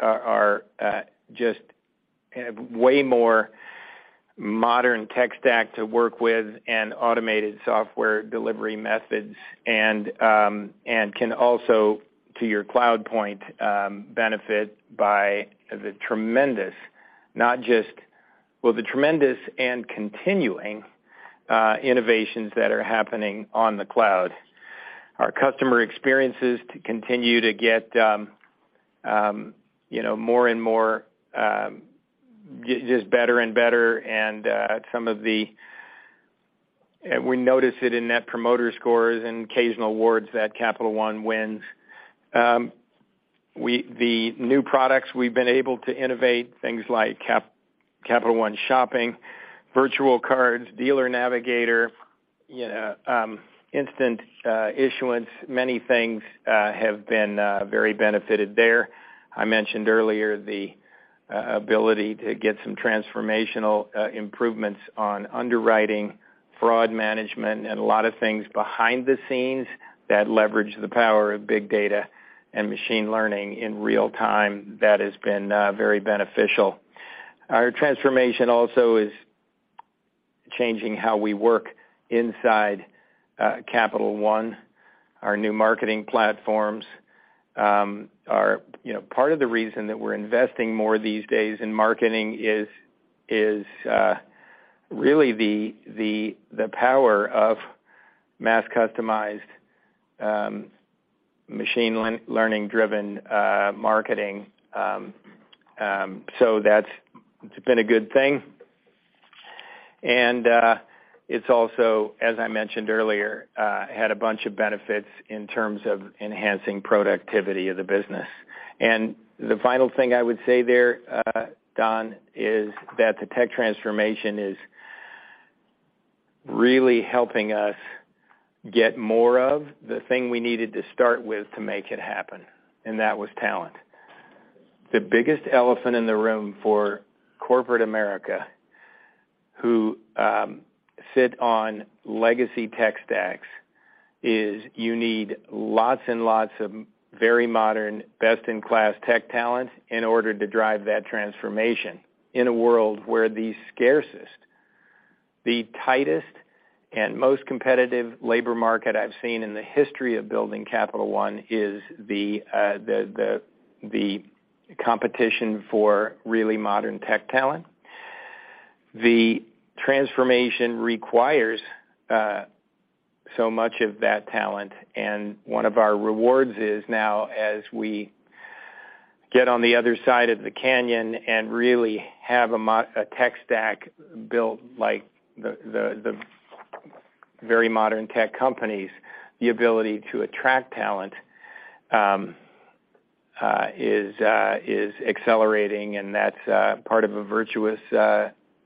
are just have way more modern tech stack to work with and automated software delivery methods and can also, to your cloud point, benefit by the tremendous and continuing innovations that are happening on the cloud. Our customer experiences to continue to get, you know, more and more just better and better. Some of the... We notice it in net promoter scores and occasional awards that Capital One wins. The new products we've been able to innovate, things like Capital One Shopping, virtual cards, Dealer Navigator, you know, instant issuance, many things, have been very benefited there. I mentioned earlier the ability to get some transformational improvements on underwriting, fraud management, and a lot of things behind the scenes that leverage the power of big data and machine learning in real time. That has been very beneficial. Our transformation also is changing how we work inside Capital One. Our new marketing platforms are. You know, part of the reason that we're investing more these days in marketing is really the power of mass customized machine learning-driven marketing. That's been a good thing. It's also, as I mentioned earlier, had a bunch of benefits in terms of enhancing productivity of the business. The final thing I would say there, Don, is that the tech transformation is really helping us get more of the thing we needed to start with to make it happen, and that was talent. The biggest elephant in the room for corporate America who sit on legacy tech stacks is you need lots and lots of very modern, best-in-class tech talent in order to drive that transformation in a world where the scarcest, the tightest, and most competitive labor market I've seen in the history of building Capital One is the competition for really modern tech talent. The transformation requires so much of that talent, and one of our rewards is now as we get on the other side of the canyon and really have a tech stack built like the very modern tech companies, the ability to attract talent is accelerating, and that's part of a virtuous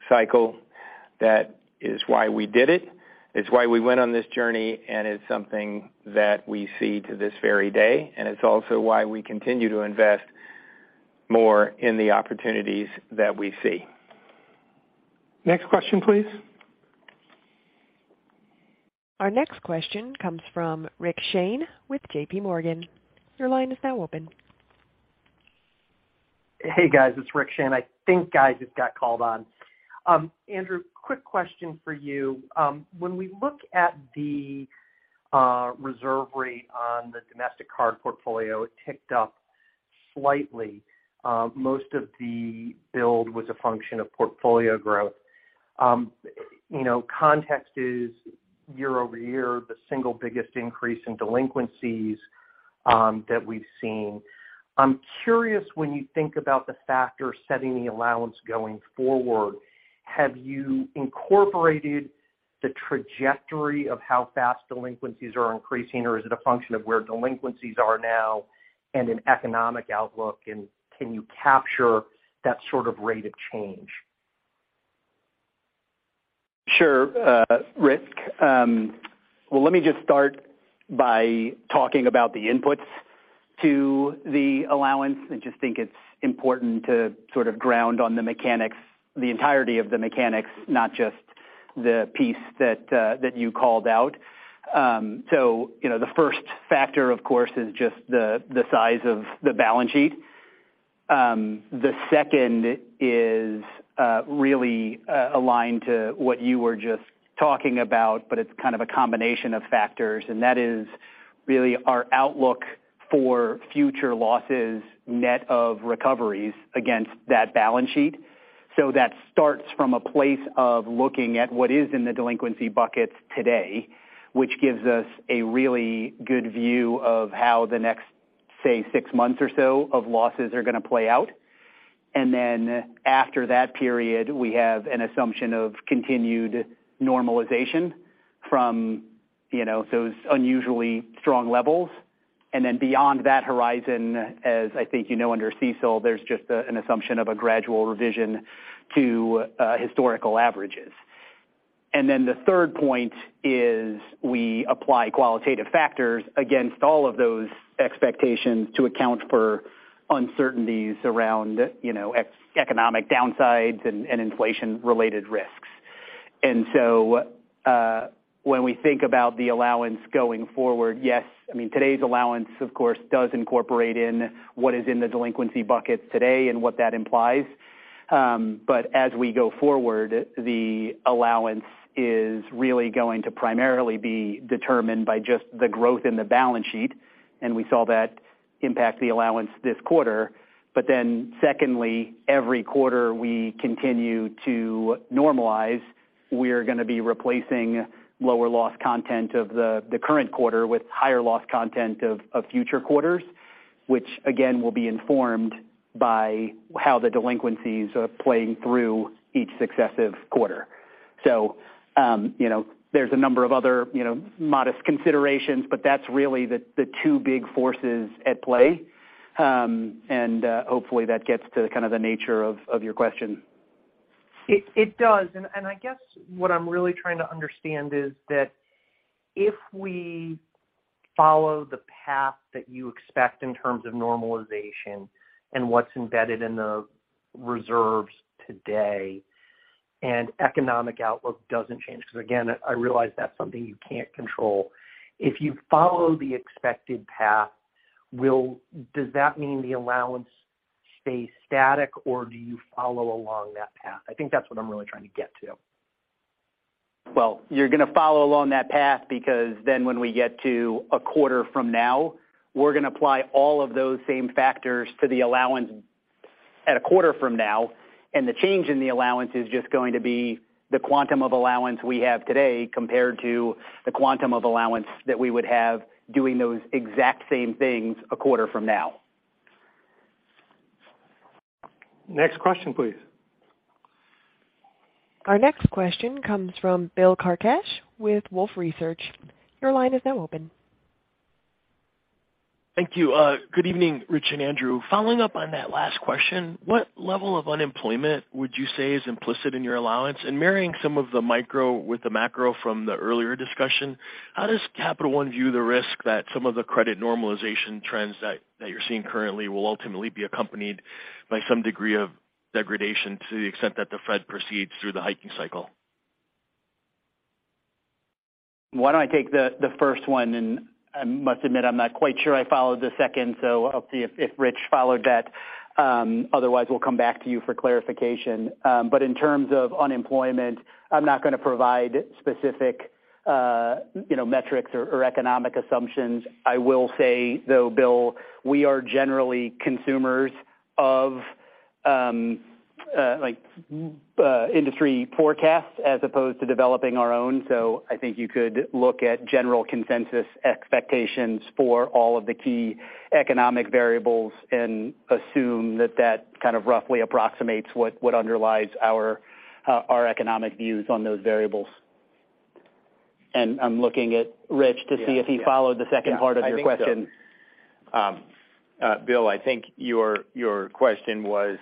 cycle. That is why we did it. It's why we went on this journey, and it's something that we see to this very day, and it's also why we continue to invest more in the opportunities that we see. Next question, please. Our next question comes from Rick Shane with JPMorgan. Your line is now open. Hey, guys, it's Rick Shane. I think I just got called on. Andrew Young, quick question for you. When we look at the reserve rate on the domestic card portfolio, it ticked up slightly. Most of the build was a function of portfolio growth. You know, context is year-over-year, the single biggest increase in delinquencies that we've seen. I'm curious when you think about the factor setting the allowance going forward, have you incorporated the trajectory of how fast delinquencies are increasing, or is it a function of where delinquencies are now and an economic outlook, and can you capture that sort of rate of change? Sure, Rick. Well, let me just start by talking about the inputs to the allowance. I just think it's important to sort of ground on the mechanics, the entirety of the mechanics, not just the piece that you called out. You know, the first factor, of course, is just the size of the balance sheet. The second is really aligned to what you were just talking about, but it's kind of a combination of factors, and that is really our outlook for future losses net of recoveries against that balance sheet. That starts from a place of looking at what is in the delinquency buckets today, which gives us a really good view of how the next, say, six months or so of losses are gonna play out. After that period, we have an assumption of continued normalization from, you know, those unusually strong levels. Beyond that horizon, as I think you know under CECL, there's just an assumption of a gradual revision to historical averages. The third point is we apply qualitative factors against all of those expectations to account for uncertainties around, you know, macro-economic downsides and inflation-related risks. When we think about the allowance going forward, yes. I mean, today's allowance of course does incorporate in what is in the delinquency buckets today and what that implies. But as we go forward, the allowance is really going to primarily be determined by just the growth in the balance sheet, and we saw that impact the allowance this quarter. Secondly, every quarter we continue to normalize, we're gonna be replacing lower loss content of the current quarter with higher loss content of future quarters, which again, will be informed by how the delinquencies are playing through each successive quarter. You know, there's a number of other, you know, modest considerations, but that's really the two big forces at play. Hopefully, that gets to kind of the nature of your question. It does. I guess what I'm really trying to understand is that if we follow the path that you expect in terms of normalization and what's embedded in the reserves today, and economic outlook doesn't change, 'cause again, I realize that's something you can't control. If you follow the expected path, does that mean the allowance stays static, or do you follow along that path? I think that's what I'm really trying to get to. Well, you're gonna follow along that path because then when we get to a quarter from now, we're gonna apply all of those same factors to the allowance at a quarter from now, and the change in the allowance is just going to be the quantum of allowance we have today compared to the quantum of allowance that we would have doing those exact same things a quarter from now. Next question, please. Our next question comes from Bill Carcache with Wolfe Research. Your line is now open. Thank you. Good evening, Rich and Andrew. Following up on that last question, what level of unemployment would you say is implicit in your allowance? Marrying some of the micro with the macro from the earlier discussion, how does Capital One view the risk that some of the credit normalization trends that you're seeing currently will ultimately be accompanied by some degree of degradation to the extent that the Fed proceeds through the hiking cycle? Why don't I take the first one, and I must admit, I'm not quite sure I followed the second, so I'll see if Rich followed that. Otherwise we'll come back to you for clarification. But in terms of unemployment, I'm not gonna provide specific, you know, metrics or economic assumptions. I will say though, Bill, we are generally consumers of industry forecasts as opposed to developing our own. So I think you could look at general consensus expectations for all of the key economic variables and assume that that kind of roughly approximates what underlies our economic views on those variables. I'm looking at Rich to see if he followed the second part of your question. Yeah. I think so. Bill, I think your question was.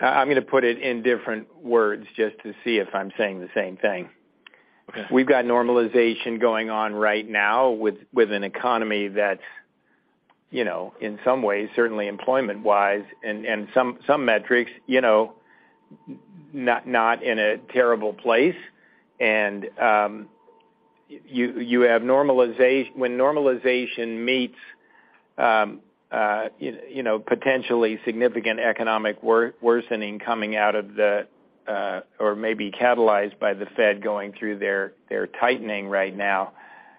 I'm gonna put it in different words just to see if I'm saying the same thing. Okay. We've got normalization going on right now with an economy that's, you know, in some ways, certainly employment-wise and some metrics, you know, not in a terrible place. When normalization meets, you know, potentially significant economic worsening coming out of the Maybe catalyzed by the Fed going through their tightening right now.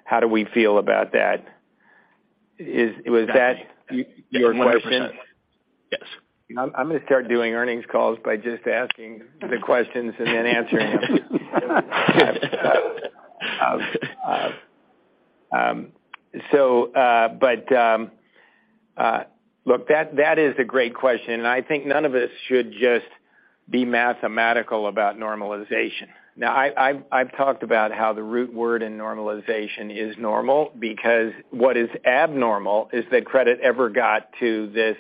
How do we feel about that? Is that your question? Yes. I'm gonna start doing earnings calls by just asking the questions and then answering them. Look, that is a great question, and I think none of us should just be mathematical about normalization. Now I've talked about how the root word in normalization is normal because what is abnormal is that credit ever got to this,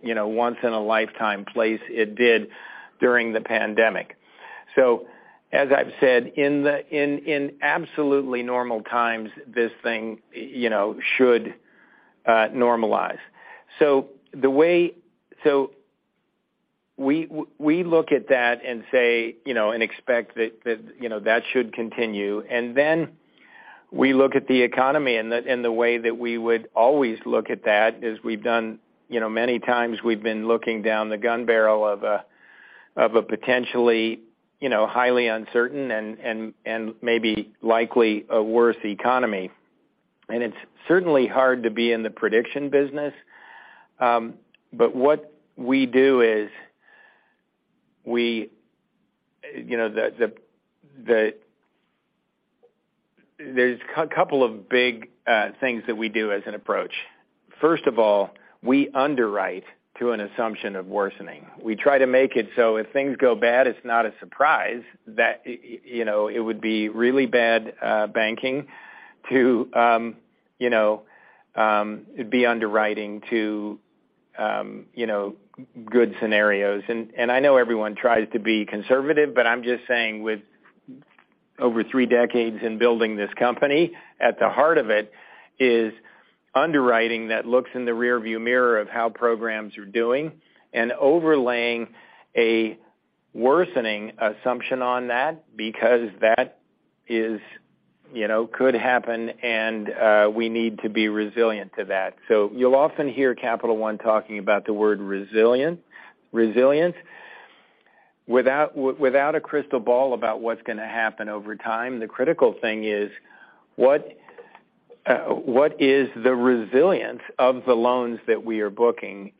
you know, once in a lifetime place it did during the pandemic. As I've said, in absolutely normal times, this thing, you know, should normalize. We look at that and say, you know, and expect that, you know, that should continue. Then we look at the economy and the way that we would always look at that is we've done, you know, many times we've been looking down the gun barrel of a potentially, you know, highly uncertain and maybe likely a worse economy. It's certainly hard to be in the prediction business. But what we do is we, you know, there's a couple of big things that we do as an approach. First of all, we underwrite to an assumption of worsening. We try to make it so if things go bad it's not a surprise that, you know, it would be really bad banking to, you know, be underwriting to, you know, good scenarios. I know everyone tries to be conservative, but I'm just saying with over three decades in building this company, at the heart of it is underwriting that looks in the rearview mirror of how programs are doing and overlaying a worsening assumption on that because that is, you know, could happen and we need to be resilient to that. You'll often hear Capital One talking about the word resilient. Without a crystal ball about what's gonna happen over time, the critical thing is what is the resilience of the loans that we are booking?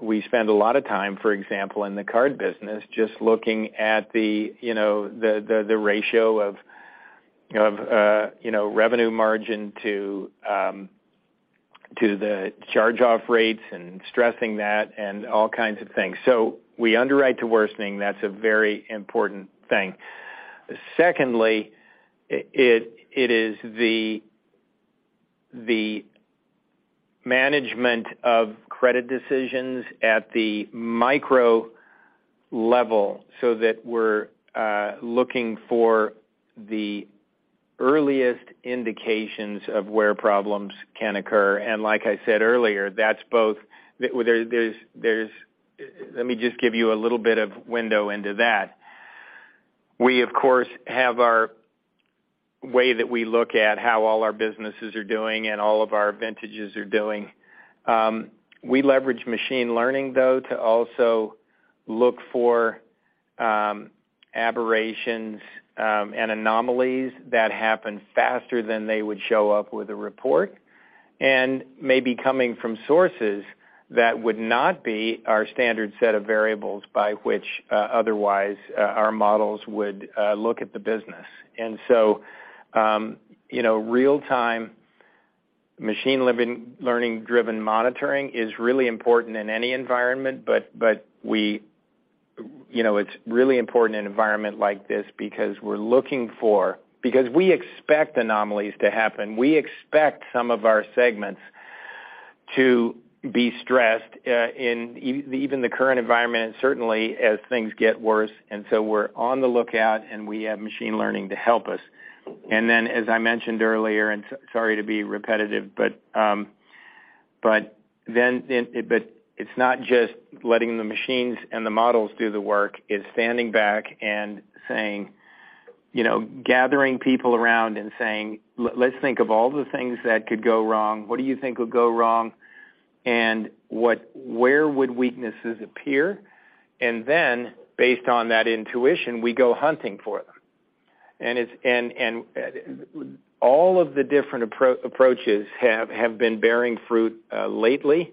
We spend a lot of time, for example, in the card business just looking at the, you know, the ratio of, you know, revenue margin to the charge-off rates and stressing that and all kinds of things. We underwrite to worsening. That's a very important thing. Secondly, it is the management of credit decisions at the micro level so that we're looking for the earliest indications of where problems can occur. Like I said earlier, that's both. Let me just give you a little bit of window into that. We of course have our way that we look at how all our businesses are doing and all of our vintages are doing. We leverage machine learning though to also look for aberrations and anomalies that happen faster than they would show up with a report, and maybe coming from sources that would not be our standard set of variables by which otherwise our models would look at the business. You know, real-time machine learning-driven monitoring is really important in any environment, but we. You know, it's really important in an environment like this because we're looking for because we expect anomalies to happen. We expect some of our segments to be stressed in even the current environment and certainly as things get worse. We're on the lookout, and we have machine learning to help us. Then as I mentioned earlier, and sorry to be repetitive, but it's not just letting the machines and the models do the work. It's standing back and saying, you know, gathering people around and saying, "Let's think of all the things that could go wrong. What do you think would go wrong? And where would weaknesses appear?" Then based on that intuition, we go hunting for them. All of the different approaches have been bearing fruit lately.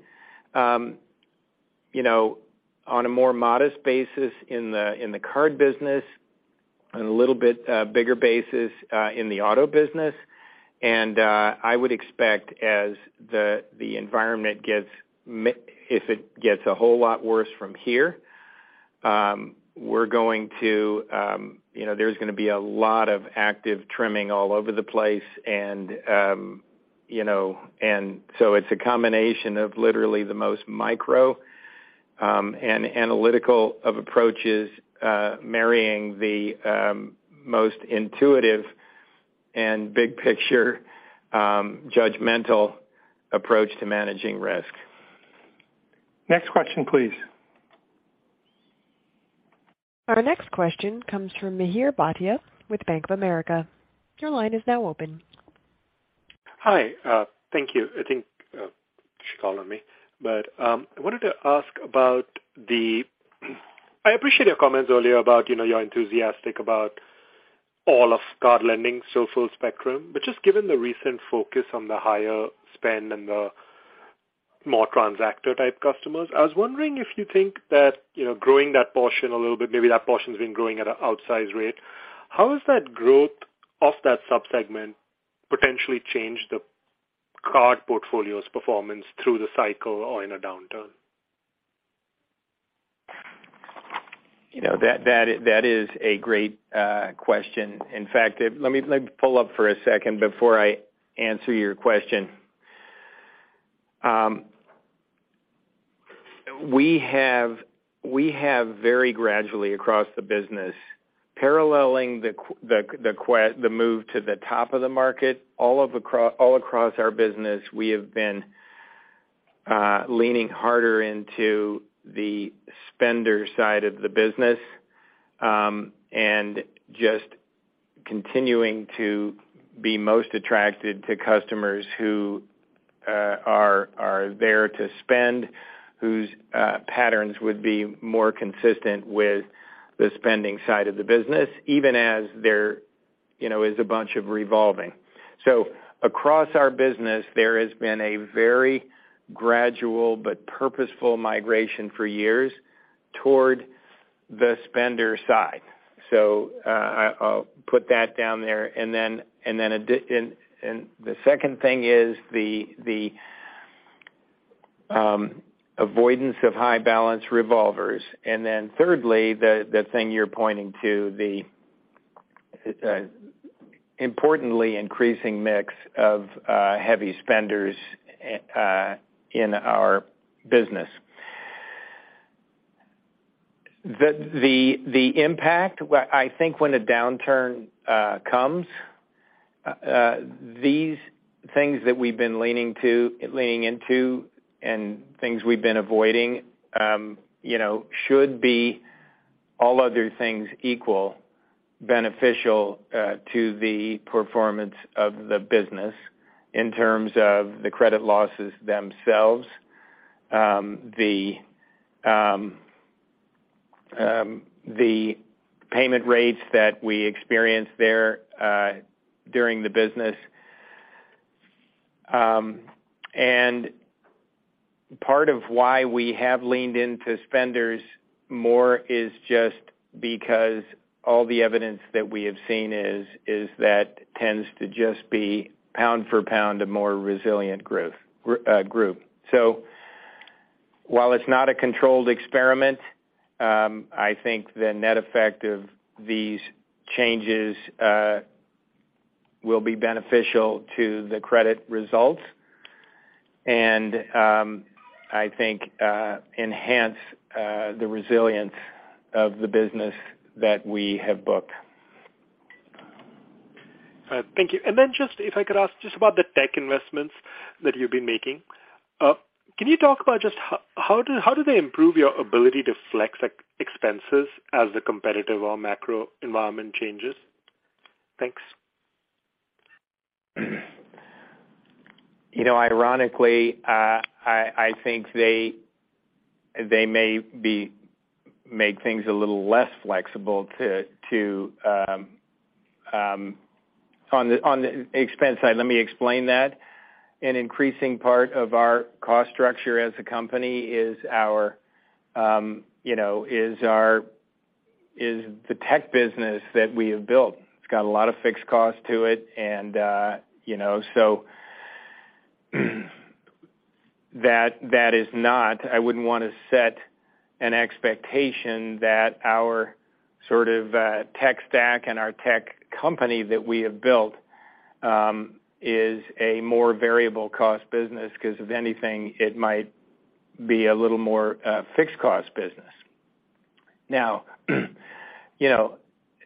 You know, on a more modest basis in the card business, on a little bit bigger basis in the auto business. I would expect if it gets a whole lot worse from here, we're going to. You know, there's gonna be a lot of active trimming all over the place and, you know. It's a combination of literally the most micro and analytical of approaches marrying the most intuitive and big-picture judgmental approach to managing risk. Next question, please. Our next question comes from Mihir Bhatia with Bank of America. Your line is now open. Hi. Thank you. I think you should call on me. I wanted to ask. I appreciate your comments earlier about, you know, you're enthusiastic about all of card lending, so full spectrum. Just given the recent focus on the higher spend and the more transactor-type customers, I was wondering if you think that, you know, growing that portion a little bit, maybe that portion's been growing at an outsized rate, how does that growth of that subsegment potentially change the card portfolio's performance through the cycle or in a downturn? You know, that is a great question. In fact, let me pull up for a second before I answer your question. We have very gradually across the business, paralleling the move to the top of the market, all across our business, we have been leaning harder into the spender side of the business, and just continuing to be most attracted to customers who are there to spend, whose patterns would be more consistent with the spending side of the business, even as there, you know, is a bunch of revolving. Across our business, there has been a very gradual but purposeful migration for years toward the spender side. I'll put that down there. The second thing is the avoidance of high balance revolvers. Thirdly, the thing you're pointing to, the importantly increasing mix of heavy spenders in our business. The impact, well, I think when a downturn comes, these things that we've been leaning into and things we've been avoiding, you know, should be all other things equal, beneficial to the performance of the business in terms of the credit losses themselves, the payment rates that we experience there during the business. Part of why we have leaned into spenders more is just because all the evidence that we have seen is that tends to just be pound for pound a more resilient growth group. While it's not a controlled experiment, I think the net effect of these changes will be beneficial to the credit results and enhance the resilience of the business that we have booked. Thank you. Just if I could ask just about the tech investments that you've been making. Can you talk about just how do they improve your ability to flex expenses as the competitive or macro environment changes? Thanks. You know, ironically, I think they may make things a little less flexible too on the expense side. Let me explain that. An increasing part of our cost structure as a company is our you know the tech business that we have built. It's got a lot of fixed cost to it and you know, I wouldn't want to set an expectation that our sort of tech stack and our tech company that we have built is a more variable cost business, 'cause if anything, it might be a little more fixed cost business. Now, you know,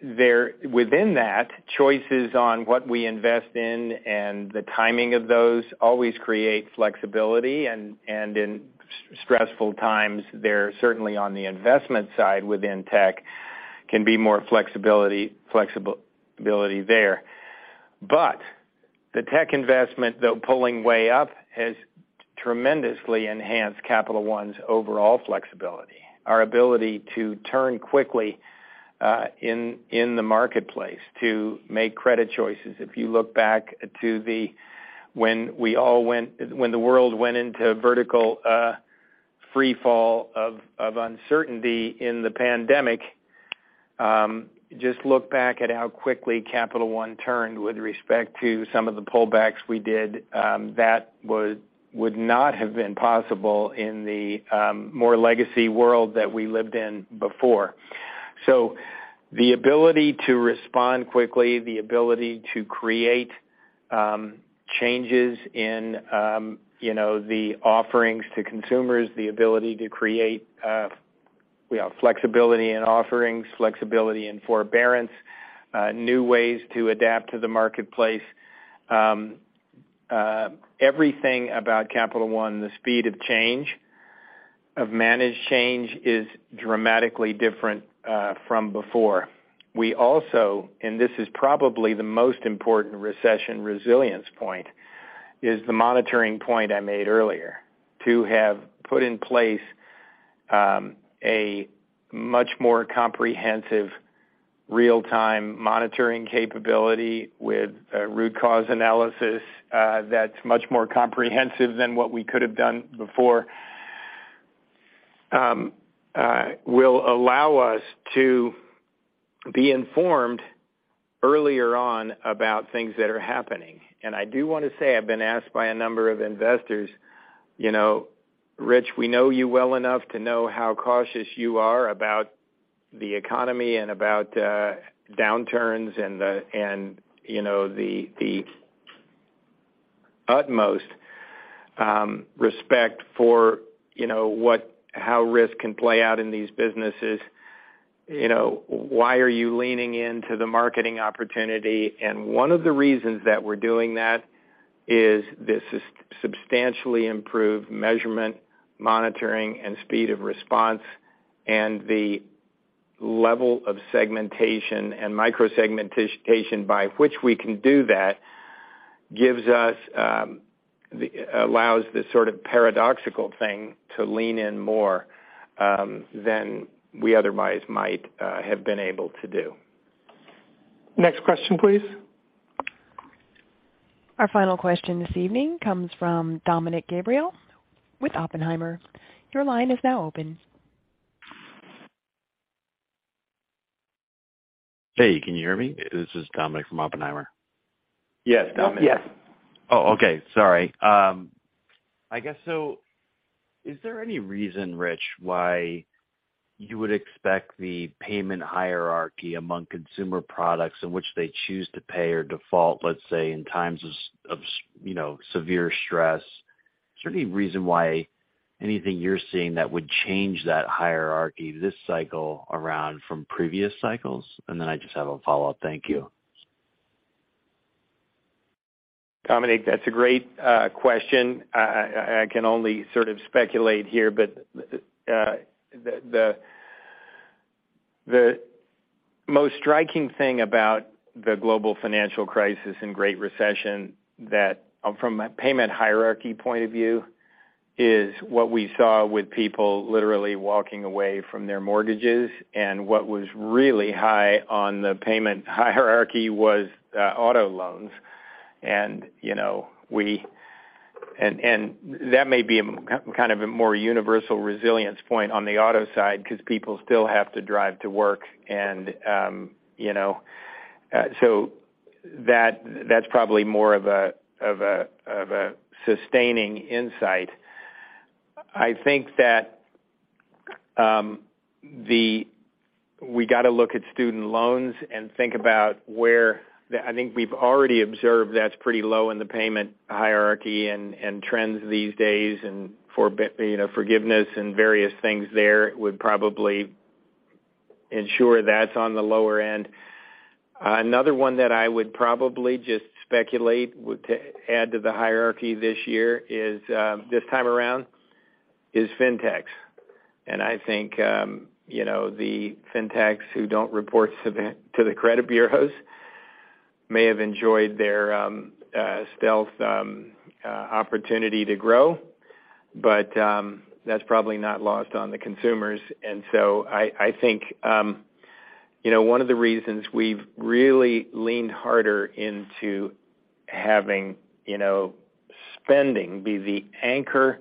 within that, choices on what we invest in and the timing of those always create flexibility. In stressful times, there can certainly be more flexibility on the investment side within tech there. The tech investment, though pulling way up, has tremendously enhanced Capital One's overall flexibility, our ability to turn quickly in the marketplace to make credit choices. If you look back to when the world went into veritable free fall of uncertainty in the pandemic, just look back at how quickly Capital One turned with respect to some of the pullbacks we did, that would not have been possible in the more legacy world that we lived in before. The ability to respond quickly, the ability to create changes in, you know, the offerings to consumers, the ability to create, you know, flexibility in offerings, flexibility in forbearance, new ways to adapt to the marketplace, everything about Capital One, the speed of change of managed change, is dramatically different from before. We also, and this is probably the most important recession resilience point, is the monitoring point I made earlier. To have put in place a much more comprehensive real-time monitoring capability with a root cause analysis, that's much more comprehensive than what we could have done before, will allow us to be informed earlier on about things that are happening. I do wanna say I've been asked by a number of investors, you know, "Rich, we know you well enough to know how cautious you are about the economy and about downturns and the utmost respect for how risk can play out in these businesses. You know, why are you leaning into the marketing opportunity?" One of the reasons that we're doing that is this is substantially improved measurement, monitoring and speed of response and the level of segmentation and microsegmentation by which we can do that gives us allows this sort of paradoxical thing to lean in more than we otherwise might have been able to do. Next question, please. Our final question this evening comes from Dominick Gabriele with Oppenheimer. Your line is now open. Hey, can you hear me? This is Dominick from Oppenheimer. Yes, Dominick. Yes. Sorry. I guess so, is there any reason, Rich, why you would expect the payment hierarchy among consumer products in which they choose to pay or default, let's say, in times of you know severe stress, is there any reason why anything you're seeing that would change that hierarchy this cycle around from previous cycles? Then I just have a follow-up. Thank you. Dominick, that's a great question. I can only sort of speculate here, but the most striking thing about the global financial crisis and great recession that from a payment hierarchy point of view is what we saw with people literally walking away from their mortgages, and what was really high on the payment hierarchy was auto loans. You know, that may be kind of a more universal resilience point on the auto side 'cause people still have to drive to work and you know. That's probably more of a sustaining insight. I think that we gotta look at student loans and think about where I think we've already observed that's pretty low in the payment hierarchy and trends these days and for, you know, forgiveness and various things there would probably ensure that's on the lower end. Another one that I would probably just speculate would to add to the hierarchy this year is this time around is Fintechs. I think, you know, the Fintechs who don't report to the credit bureaus may have enjoyed their stealth opportunity to grow, but that's probably not lost on the consumers. I think, you know, one of the reasons we've really leaned harder into having, you know, spending be the anchor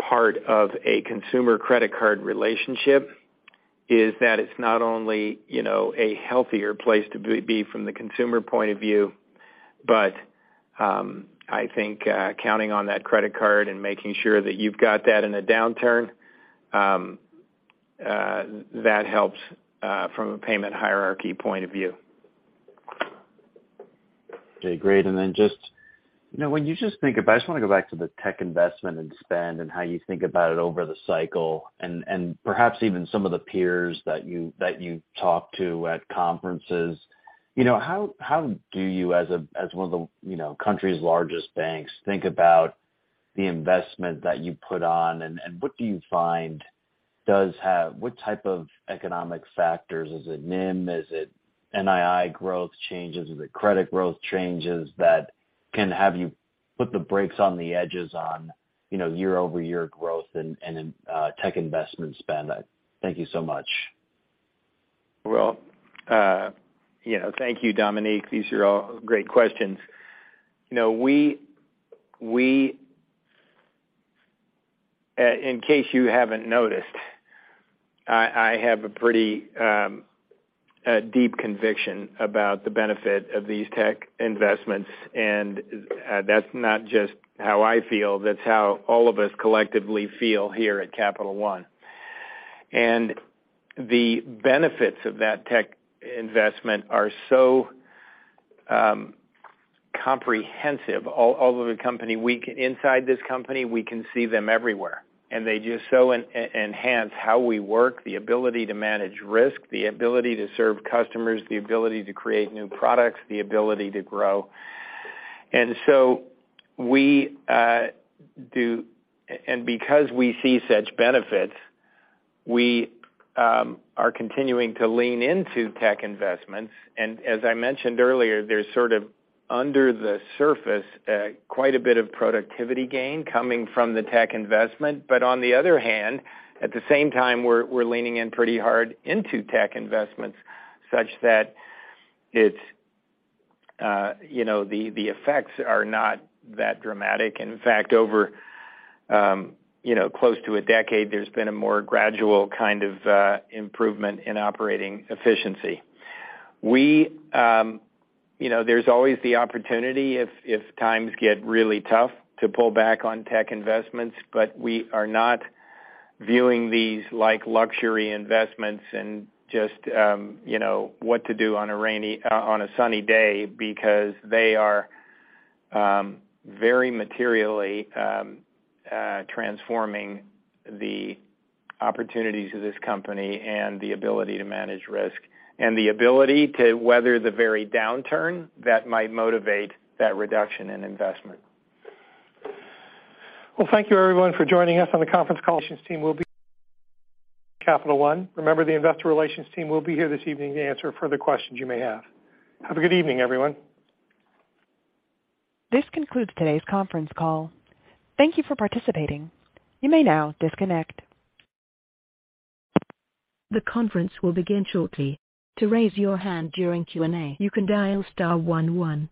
part of a consumer credit card relationship is that it's not only, you know, a healthier place to be from the consumer point of view, but I think counting on that credit card and making sure that you've got that in a downturn, that helps from a payment hierarchy point of view. Okay, great. Then just, you know, when you just think about it, I just wanna go back to the tech investment and spend and how you think about it over the cycle and perhaps even some of the peers that you talk to at conferences. You know, how do you as one of the, you know, country's largest banks think about the investment that you put on, and what do you find does have? What type of economic factors? Is it NIM? Is it NII growth changes? Is it credit growth changes that can have you put the brakes on the edges on, you know, year-over-year growth and tech investment spend? Thank you so much. Well, you know, thank you, Dominick. These are all great questions. You know, in case you haven't noticed, I have a pretty deep conviction about the benefit of these tech investments. That's not just how I feel, that's how all of us collectively feel here at Capital One. The benefits of that tech investment are so comprehensive all over the company. Inside this company, we can see them everywhere, and they just so enhance how we work, the ability to manage risk, the ability to serve customers, the ability to create new products, the ability to grow. Because we see such benefits, we are continuing to lean into tech investments. As I mentioned earlier, there's sort of under the surface, quite a bit of productivity gain coming from the tech investment. On the other hand, at the same time, we're leaning in pretty hard into tech investments such that it's, you know, the effects are not that dramatic. In fact, over, you know, close to a decade, there's been a more gradual kind of, improvement in operating efficiency. We, you know, there's always the opportunity if times get really tough, to pull back on tech investments. We are not viewing these like luxury investments and just, you know, what to do on a sunny day because they are very materially transforming the opportunities of this company and the ability to manage risk and the ability to weather the very downturn that might motivate that reduction in investment. Well, thank you everyone for joining us on the conference call. Remember, the investor relations team will be here this evening to answer further questions you may have. Have a good evening, everyone. This concludes today's conference call. Thank you for participating. You may now disconnect. The conference will begin shortly. To raise your hand during Q&A, you can dial star one one.